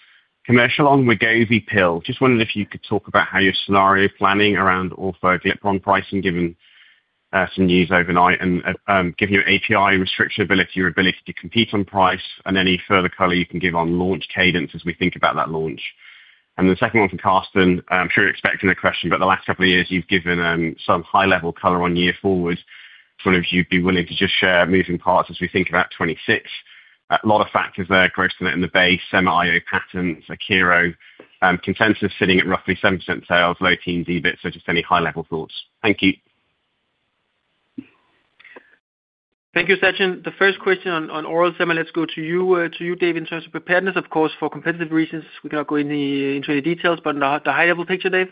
Commercial on Wegovy Pill, just wondered if you could talk about how your scenario planning around Ortho electron pricing given some news overnight and give your API restriction ability, your ability to compete on price, and any further color you can give on launch cadence as we think about that launch. The second one from Karsten, I am sure you are expecting a question, but the last couple of years you have given some high level color on year forward, sort of if you would be willing to just share moving parts as we think about 2026. A lot of factors there, gross to net in the base, semi IO patents, Akero consensus sitting at roughly 7% sales, low teens EBIT. So just any high level thoughts? Thank you. Thank you. Sachin. The first question on oral semi, let's go to you, to you David. In terms of preparedness, of course for competitive reasons we cannot go into any details but in the high level picture. Dave.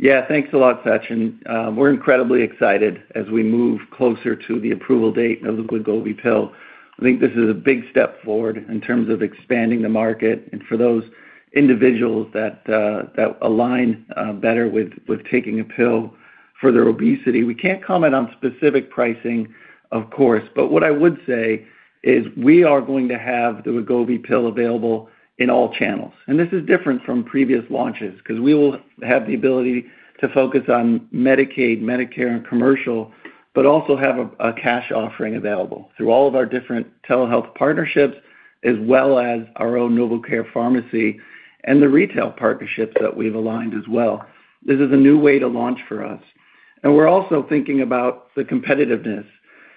Yeah, thanks a lot, Sachin. We're incredibly excited as we move closer to the approval date of the Wegovy pill. I think this is a big step forward in terms of expanding the market and for those individuals that align better with taking a pill for their obesity. We can't comment on specific pricing of course, but what I would say is we are going to have the Wegovy pill available in all channels and this is different from previous launches because we will have the ability to focus on Medicaid, Medicare and commercial, but also have a cash offering available through all of our different telehealth partnerships as well as our own NovoCare Pharmacy and the retail partnerships that we've aligned as well. This is a new way to launch for us and we're also thinking about the competitiveness.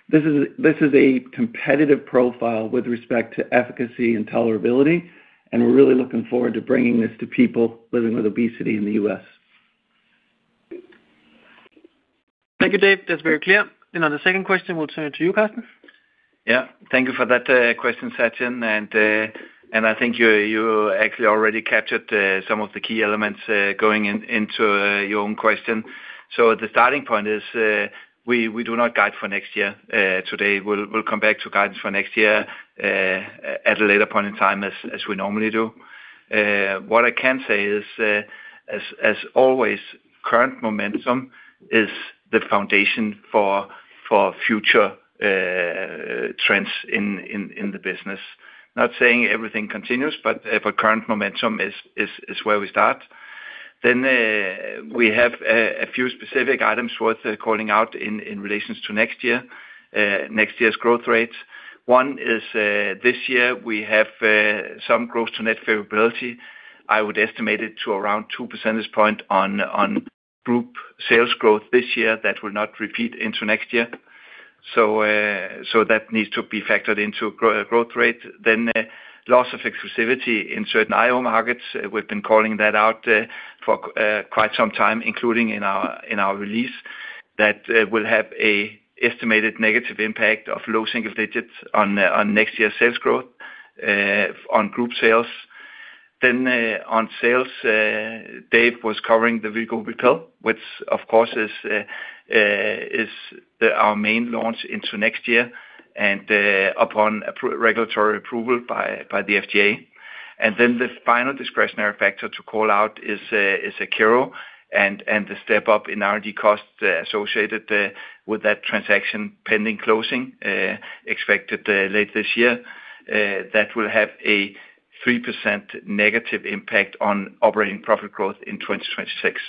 This is a competitive profile with respect to efficacy and tolerability and we're really looking forward to bringing this to people living with obesity in the U.S. Thank you, Dave. That's very clear. Then on the second question, we'll turn it to you, Karsten. Yeah, thank you for that question, Sachin. I think you actually already captured some of the key elements going into your own question. The starting point is we do not guide for next year today. We'll come back to guidance for next year at a later point in time as we normally do. What I can say is, as always, current momentum is the foundation for future trends in the business. Not saying everything continues, but current momentum is where we start. We have a few specific items worth calling out in relation to next year's growth rates. One is this year we have some growth to net favorability. I would estimate it to around 2 percentage points on group sales growth this year that will not repeat into next year. That needs to be factored into growth rate, then loss of exclusivity in certain IO markets. We have been calling that out for quite some time, including in our release that will have an estimated negative impact of low single digits on next year's sales growth, on group sales, then on sales. Dave was covering the Wegovy Pill, which of course is our main launch into next year and upon regulatory approval by the FDA, and then the final discretionary factor to call out is Akero and the step up in R&D costs associated with that transaction pending closing expected late this year. That will have a 3% negative impact on operating profit growth in 2026.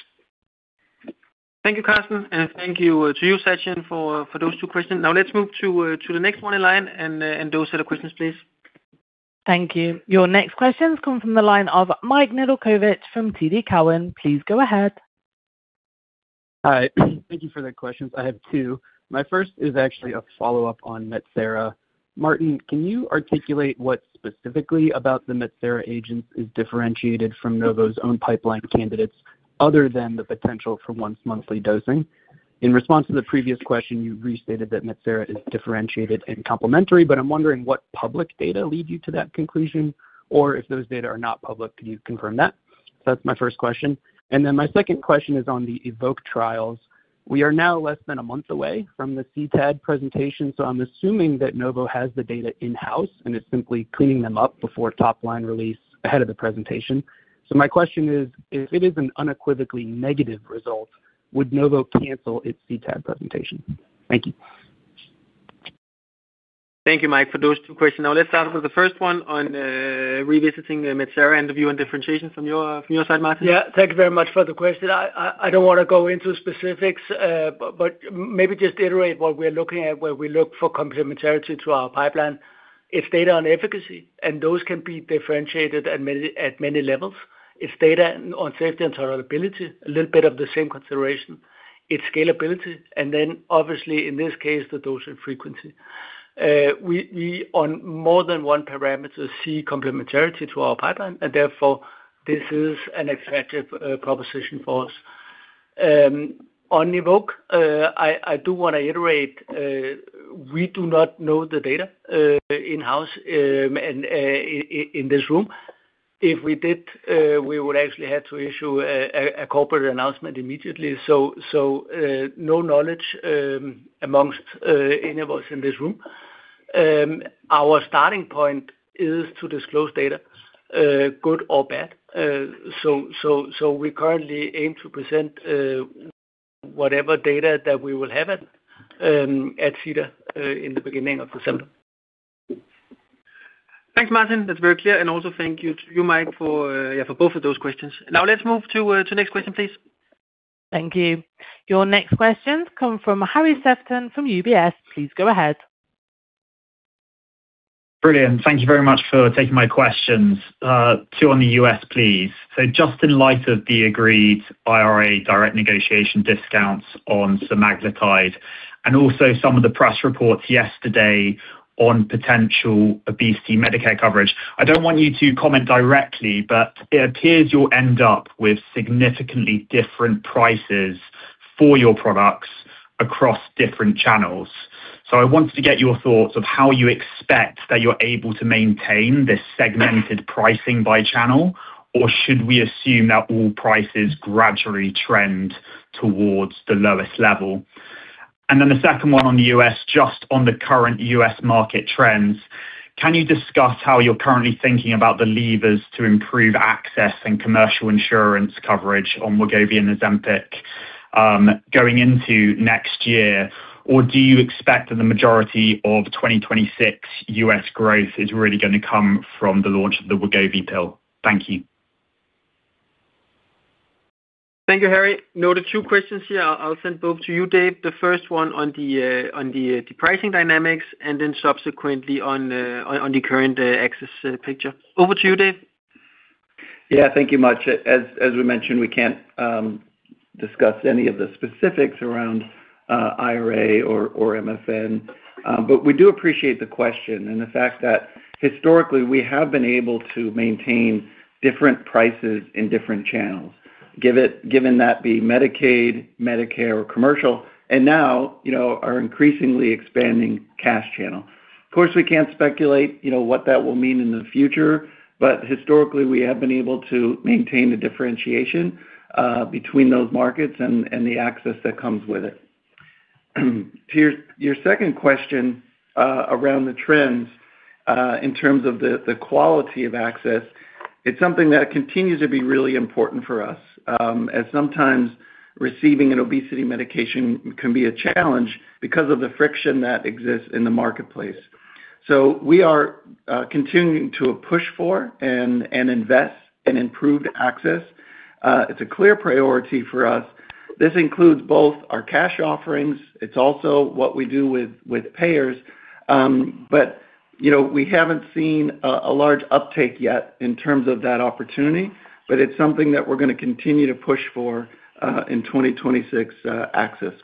Thank you, Karsten. Thank you to you, Sachin, for those two questions. Now let's move to the next one in line and those set of questions, please. Thank you. Your next questions come from the line of Michael Nedelcovych from TD Cowen. Please go ahead. Hi. Thank you for the questions. I have two. My first is actually a follow up on Medcera. Martin, can you articulate what specifically about. The Medcera agent is differentiated from Novo's own pipeline candidates other than the potential for once monthly dosing? In response to the previous question, you. Restated that Medcera is differentiated and complementary. But I'm wondering what public data lead. You to that conclusion. Or if those data are not public. Could you confirm that? That is my first question. My second question is on the evoke trials. We are now less than a month. Away from the CTAD presentation. I'm assuming that Novo has the data in house and is simply cleaning them up before top line release ahead of the presentation. My question is, if it is. An unequivocally negative result, would Novo cancel its CTAD presentation? Thank you. Thank you, Mike, for those two questions. Now let's start with the first one on revisiting Medcera and the view on differentiations from your side. Martin. Yeah, thank you very much for the question. I don't want to go into specifics, but maybe just iterate what we're looking at. Where we look for complementarity to our pipeline, it's data on efficacy and those can be differentiated at many levels. It's data on safety and tolerability, a little bit of the same consideration, its scalability, and then obviously in this case the dose and frequency. We on more than one parameter see complementarity to our pipeline and therefore this is an attractive proposition for us on Novo Nordisk. I do want to iterate we do not know the data in house in this room. If we did, we would actually have to issue a corporate announcement immediately. So no knowledge amongst any of us in this room. Our starting point is to disclose data, good or bad. We currently aim to present whatever data that we will have at CIDR in the beginning of December. Thanks Martin, that's very clear. Also thank you to you Mike for both of those questions. Now let's move to next question please. Thank you. Your next questions come from Harry Sephton from UBS, please go ahead. Brilliant. Thank you very much for taking my questions. Two on the US please. Just in light of the agreed IRA direct negotiation discounts on semaglutide and also some of the press reports yesterday on potential obesity Medicare coverage, I do not want you to comment directly, but it appears you will end up with significantly different prices for your products across different channels. I wanted to get your thoughts on how you expect that you are able to maintain this segmented pricing by channel or should we assume that all prices gradually trend towards the lowest level. The second one on the US, just on the current US market trends. Can you discuss how you are currently thinking about the levers to improve access and commercial insurance coverage on Wegovy and Ozempic going into next year? Or do you expect that the majority of 2026 US growth is really going to come from the launch of the Wegovy pill? Thank you. Thank you, Harry. Note the two questions here. I'll send both to you, Dave. The first one on the pricing dynamics and then subsequently on the current exit picture. Over to you, Dave. Yeah, thank you much. As we mentioned, we can't discuss any of the specifics around IRA or MFN, but we do appreciate the question and the fact that historically we have been able to maintain different prices in different channels given that be Medicaid, Medicare or commercial and now are increasingly expanding cash channel. Of course we can't speculate what that will mean in the future, but historically we have been able to maintain a differentiation between those markets and the access that comes with it. To your second question around the trends in terms of the quality of access. It's something that continues to be really important for us as sometimes receiving an obesity medication can be a challenge because of the friction that exists in the marketplace. We are continuing to push for and invest in improved access. It's a clear priority for us. This includes both our cash offerings. It's also what we do with payers. We haven't seen a large uptake yet in terms of that opportunity. It's something that we're going to continue to push for in 2026 axis.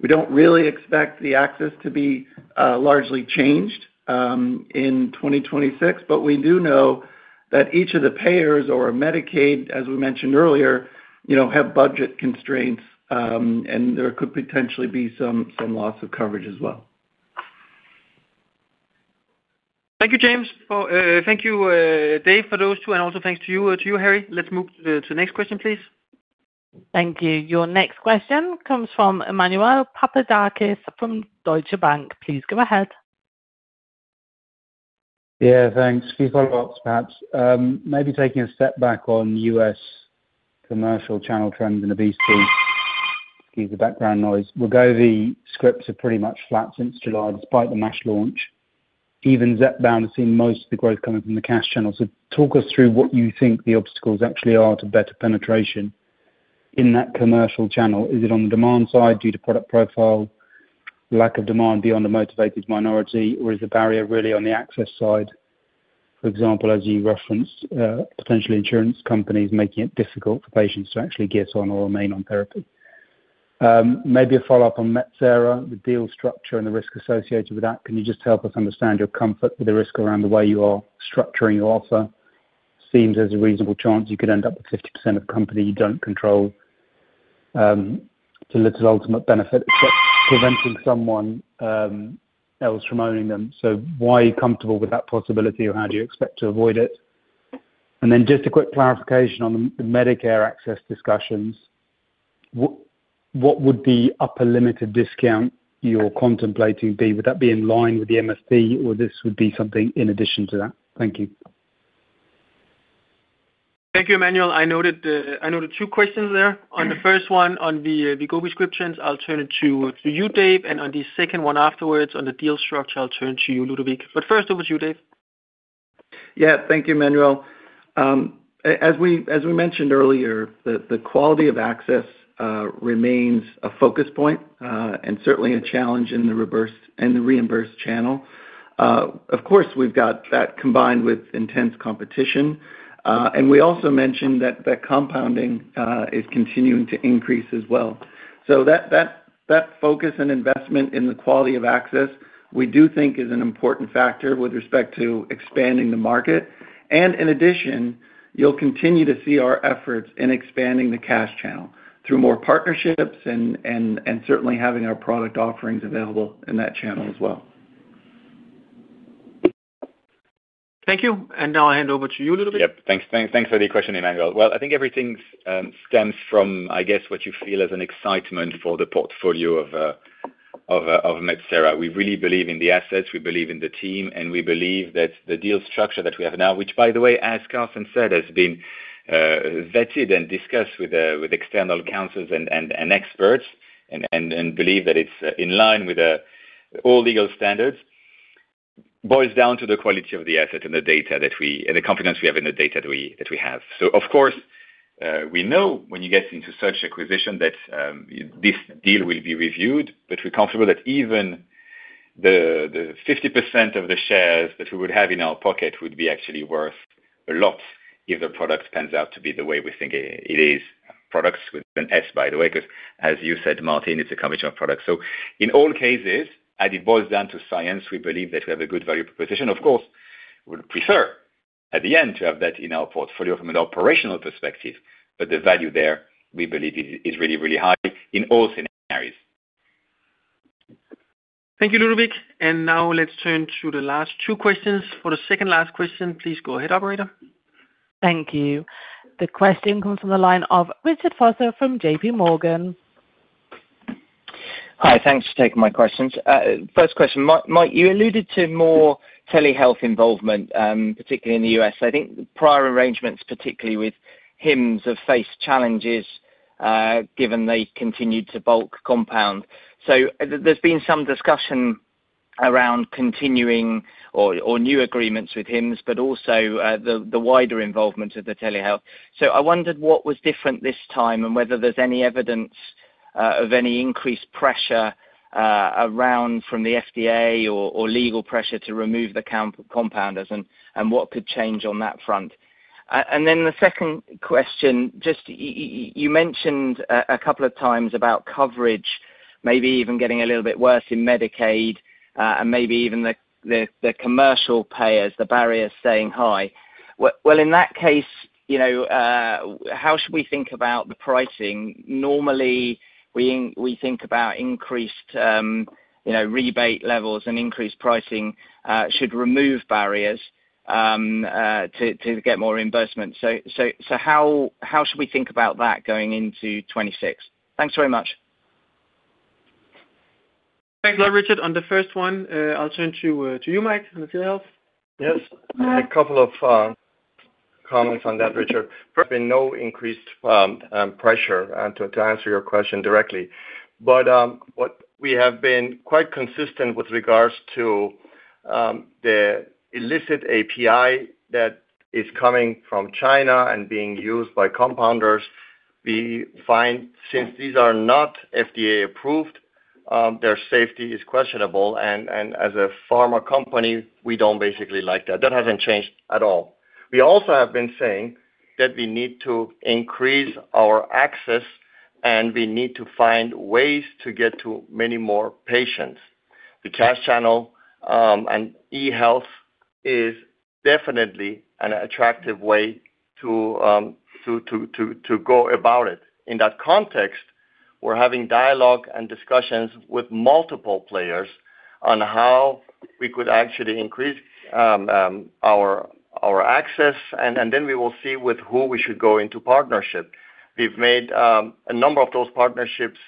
We don't really expect the axis to be largely changed in 2026, but we do know that each of the payers or Medicaid, as we mentioned earlier, have budget constraints and there could potentially be some loss of coverage as well. Thank you, James. Thank you, Dave, for those two, and also thanks to you, Harry. Let's move to next question, please. Thank you. Your next question comes from Emmanuel Papadakis from Deutsche Bank. Please go ahead. Yeah, thanks. Few follow ups, perhaps maybe taking a step back on US commercial channel trends and obesity. Excuse the background noise, we'll go. The scripts are pretty much flat since July, despite the MASH launch. Even Zepbound has seen most of the growth coming from the Cash Channel. Talk us through what you think the obstacles actually are to better penetration in that commercial channel. Is it on the demand side due to product profile, lack of demand beyond a motivated minority, or is the barrier really on the access side? For example, as you referenced, potential insurance companies making it difficult for patients to actually get on or remain on therapy, maybe a follow up on Medcera, the deal structure and the risk associated with that. Can you just help us understand your comfort with the risk around? The way you are structuring your offer, seems there's a reasonable chance you could end up with 50% of a company you don't control to little ultimate benefit except preventing someone else from owning them. Why are you comfortable with that possibility or how do you expect to avoid it? Just a quick clarification on the Medicare access discussions. What would the upper limit of discount you're contemplating be? Would that be in line with the MSP or would this be something in addition to that? Thank you. Thank you, Emmanuel. I noted two questions there. On the first one on the go prescriptions, I'll turn it to you, Dave. On the second one afterwards on the deal structure, I'll turn to you, Ludovic. First over to you, Dave. Yeah, thank you, Manuel. As we mentioned earlier, the quality of access remains a focus point and certainly a challenge in the reimbursed channel. Of course we've got that combined with intense competition. We also mentioned that compounding is continuing to increase as well. That focus and investment in the quality of access we do think is an important factor with respect to exposure expanding the market. In addition, you'll continue to see our efforts in expanding the Cash channel through more partnerships and certainly having our product offerings available in that channel as well. Thank you. I hand over to you a little bit. Thanks for the question, Emmanuel. I think everything stems from, I guess, what you feel as an excitement for the portfolio of Medcera. We really believe in the assets, we believe in the team and we believe that the deal structure that we have now, which by the way, as Karsten said, has been vetted and discussed with external counsel and experts and believe that it's in line with all legal standards, boils down to the quality of the asset and the data, the confidence we have in the data that we have. Of course, we know when you get into such acquisition that this deal will be reviewed, but we're comfortable that even the 50% of the shares that we would have in our pocket would be actually worth a lot if the product pans out to be the way. We think it is. Products with an S, by the way, because as you said, Martin, it's a combination of products. In all cases, as it boils down to science, we believe that we. Have a good value proposition. Of course, we prefer at the end to have that in our portfolio from an operational perspective. The value there, we believe is really, really high in all scenarios. Thank you, Ludovic. Now let's turn to the last two questions. For the second last question, please go ahead, operator. Thank you. The question comes from the line of Richard Foster from JPMorgan. Hi, thanks for taking my questions. First question, Mike, you alluded to more telehealth involvement, particularly in the U.S. I think prior arrangements, particularly with HIMSS, have faced challenges given they continued to bulk compound. There has been some discussion around continuing or new agreements with HIMSS, but also the wider involvement of the telehealth. I wondered what was different this time and whether there's any evidence of. Any increased pressure from the FDA or legal pressure to remove the compounders, and what could change on that front? The second question, just you. Mentioned a couple of times about coverage maybe even getting a little bit worse. In Medicaid and maybe even the commercial payers, the barriers staying high. In that case, how should we think about the pricing? Normally we think about increased rebate levels. Increased pricing should remove barriers to get more reimbursement. How should we think about that going into 2026? Thanks very much. Thanks a lot, Richard. On the first one, I'll turn to you, Mike. Yes, a couple of comments on that, Richard. There has been no increased pressure to answer your question directly. What we have been quite consistent with regards to is the illicit API that is coming from China and being used by compounders. We find since these are not FDA approved, their safety is questionable. As a pharma company, we do not basically like that. That has not changed at all. We also have been saying that we need to increase our access and we need to find ways to get to many more patients. The Cash Channel and E Health is definitely an attractive way to go about it in that context. We are having dialogue and discussions with multiple players on how we could actually increase our access and then we will see with whom we should go into partnership. We have made a number of those partnerships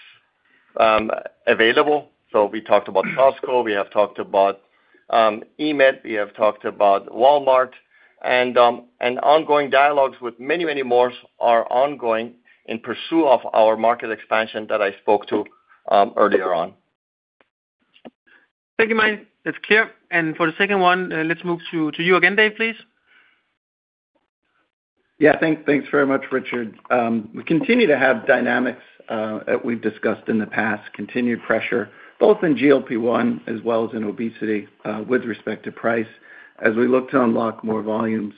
available. We talked about Costco, we have talked about emed, we have talked about Walmart and ongoing dialogues with many, many more are ongoing in pursuit of our market expansion that I spoke to earlier on. Thank you, Mike. That's clear and for the second one, let's move to you again, Dave, please. Yeah, thanks very much, Richard. We continue to have dynamics that we've discussed in the past, continued pressure both in GLP-1 as well as in obesity with respect to price as we look to unlock more volumes.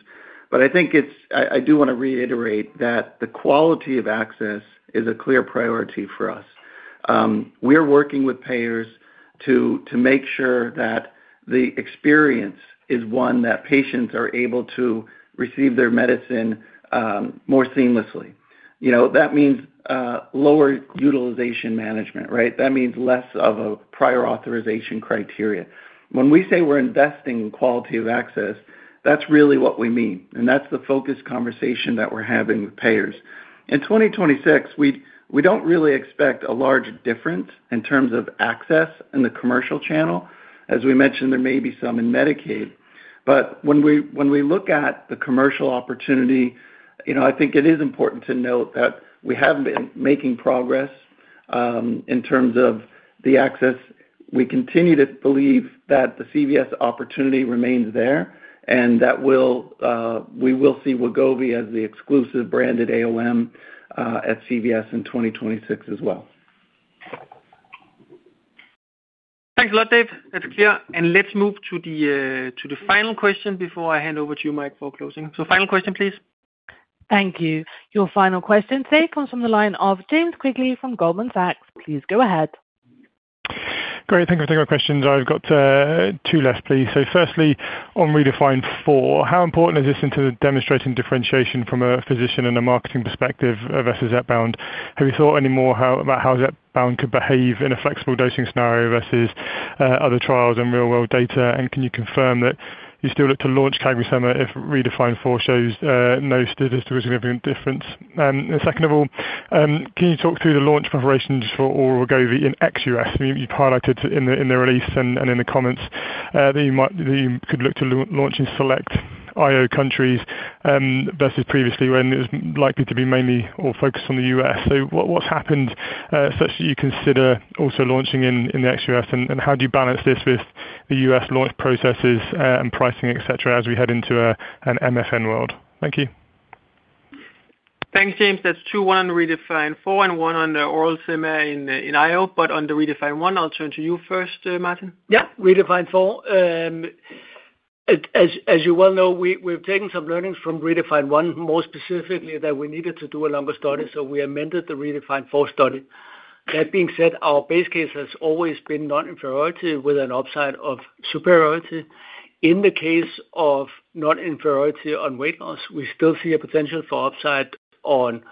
I do want to reiterate that the quality of access is a clear priority for us. We are working with payers to make sure that the experience is one that patients are able to receive their medicine more seamlessly. That means lower utilization management. That means less of a prior authorization criteria. When we say we're investing in quality of access, that's really what we mean and that's the focus conversation that we're having with payers in 2026. We don't really expect a large different in terms of access in the commercial channel as we mentioned, there may be some in Medicaid. When we look at the commercial opportunity, I think it is important to note that we have been making progress in terms of the access. We continue to believe that the CVS opportunity remains there and that we will see Wegovy as the exclusive brother branded AOM at CVS in 2026 as well. Thanks a lot, Dave. That's clear. Let's move to the final question before I hand over to you, Mike, for closing. Final question, please. Thank you. Your final question today comes from the line of James Quigley from Goldman Sachs. Please go ahead. Great. Thank you for taking your questions. I've got two left, please. Firstly on REDEFINE 4, how important is this in demonstrating differentiation from a physician and a marketing perspective versus Zepbound? Have you thought any more about how Zepbound could behave in a flexible dosing scenario versus other trials and real world data? Can you confirm that you still look to launch CagriSema if REDEFINE 4 shows no statistically significant difference? Second of all, can you talk through the launch preparations for Wegovy in ex-US? You've highlighted in the release and in the comments this, you could look to launch in select IO countries versus previously when it was likely to be mainly all focused on the US. So what's happened such that you consider also launching in the ex-US, and how do you balance this with the US launch processes and pricing, et cetera, as we head into an MFN world? Thank you. Thanks, James. That's true, one on Redefine 4 and one on the oral sim in IO, but on the redistribution Redefine 1, I'll turn to you first, Martin. Yeah, Redefine 4 as you well know we've taken some learnings from Redefine 1, more specifically that we needed to do a number study, so we amended the Redefine 4 study. That being said, our base case has always been non-inferiority with an upside of superiority. In the case of non-inferiority on weight loss, we still see a potential for upside on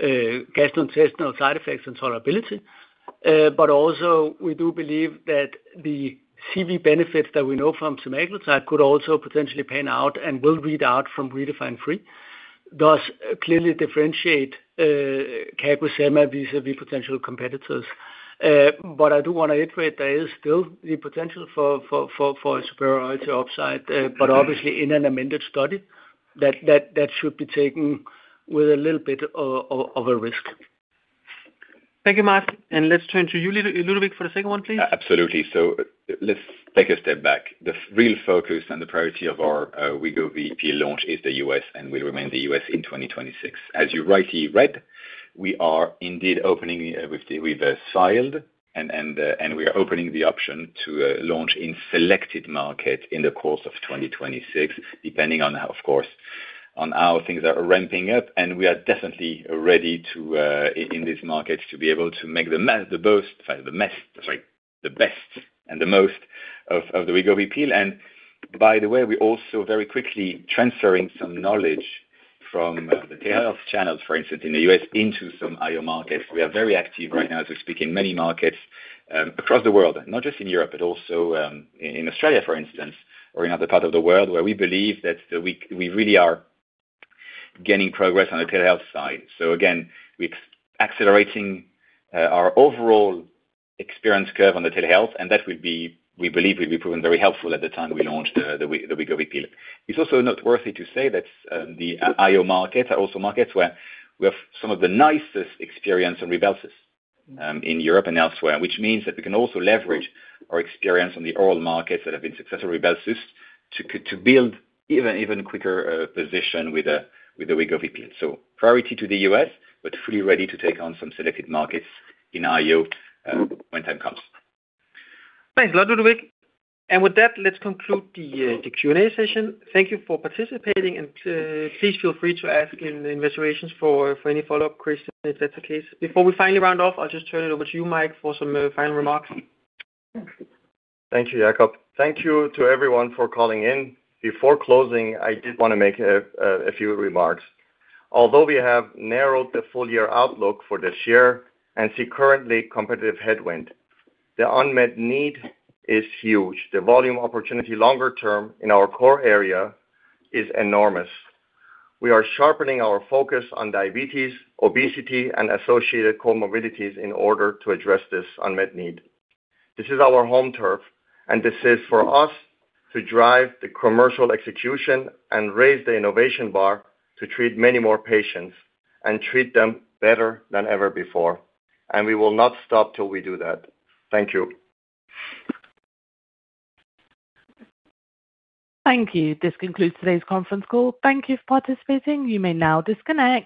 gastrointestinal side effects and tolerability. We do believe that the CV benefits that we know from semaglutide could also potentially pan out and will read out from Redefine 4, thus clearly differentiate CagriSema vis-à-vis potential competitors. I do want to iterate there is still the potential for superiority upside, but obviously in an amended study that should be taken with a little bit of a risk. Thank you, Marc, and let's turn to you, Ludovic, for the second one, please. Absolutely. Let's take a step back. The real focus and the priority of our Wegovy Pill launch is the US and will remain the US in 2026. As you rightly read, we are indeed opening, we've filed and we are opening the option to launch in selected markets in the course of 2026 depending of course on how things are ramping up and we are definitely ready in these markets to be able to make the best and the most of the Wegovy Pill. By the way, we are also very quickly transferring some knowledge from the telehealth channels, for instance in the US, into some IO markets. We are very active right now as we speak in many markets across the world, not just in Europe but also in Australia for instance, or in other parts of the world where we believe that we really are gaining progress on the telehealth side. Again, we are accelerating our overall experience curve on the telehealth and that will be, we believe, proven very helpful at the time we launch the Wegovy Pill. It's also noteworthy to say that the IO markets are also markets where we have some of the nicest experience on Rybelsus in Europe and elsewhere. Which means that we can also leverage our experience on the IO markets that have been successful with Rybelsus to build even quicker position with the Wegovy Pill. Priority to the US but fully ready to take on some selected markets in IO when time comes. Thanks a lot, Ludovic. With that, let's conclude the Q and A session. Thank you for participating, and please feel free to ask in reservations for any follow-up question if that's the case. Before we finally round off, I'll just turn it over to you, Mike, for some final remarks. Thank you, Jakob, thank you to everyone for calling in. Before closing, I did want to make a few remarks. Although we have narrowed the full year outlook for this year and see currently competitive headwind, the unmet need is huge. The volume opportunity longer term in our core area is enormous. We are sharpening our focus on diabetes, obesity, and associated comorbidities in order to address this unmet need. This is our home turf and this is for us to drive the commercial execution and raise the innovation bar to treat many more patients and treat them better than ever before. We will not stop till we do that. Thank you. Thank you. This concludes today's conference call. Thank you for participating. You may now disconnect.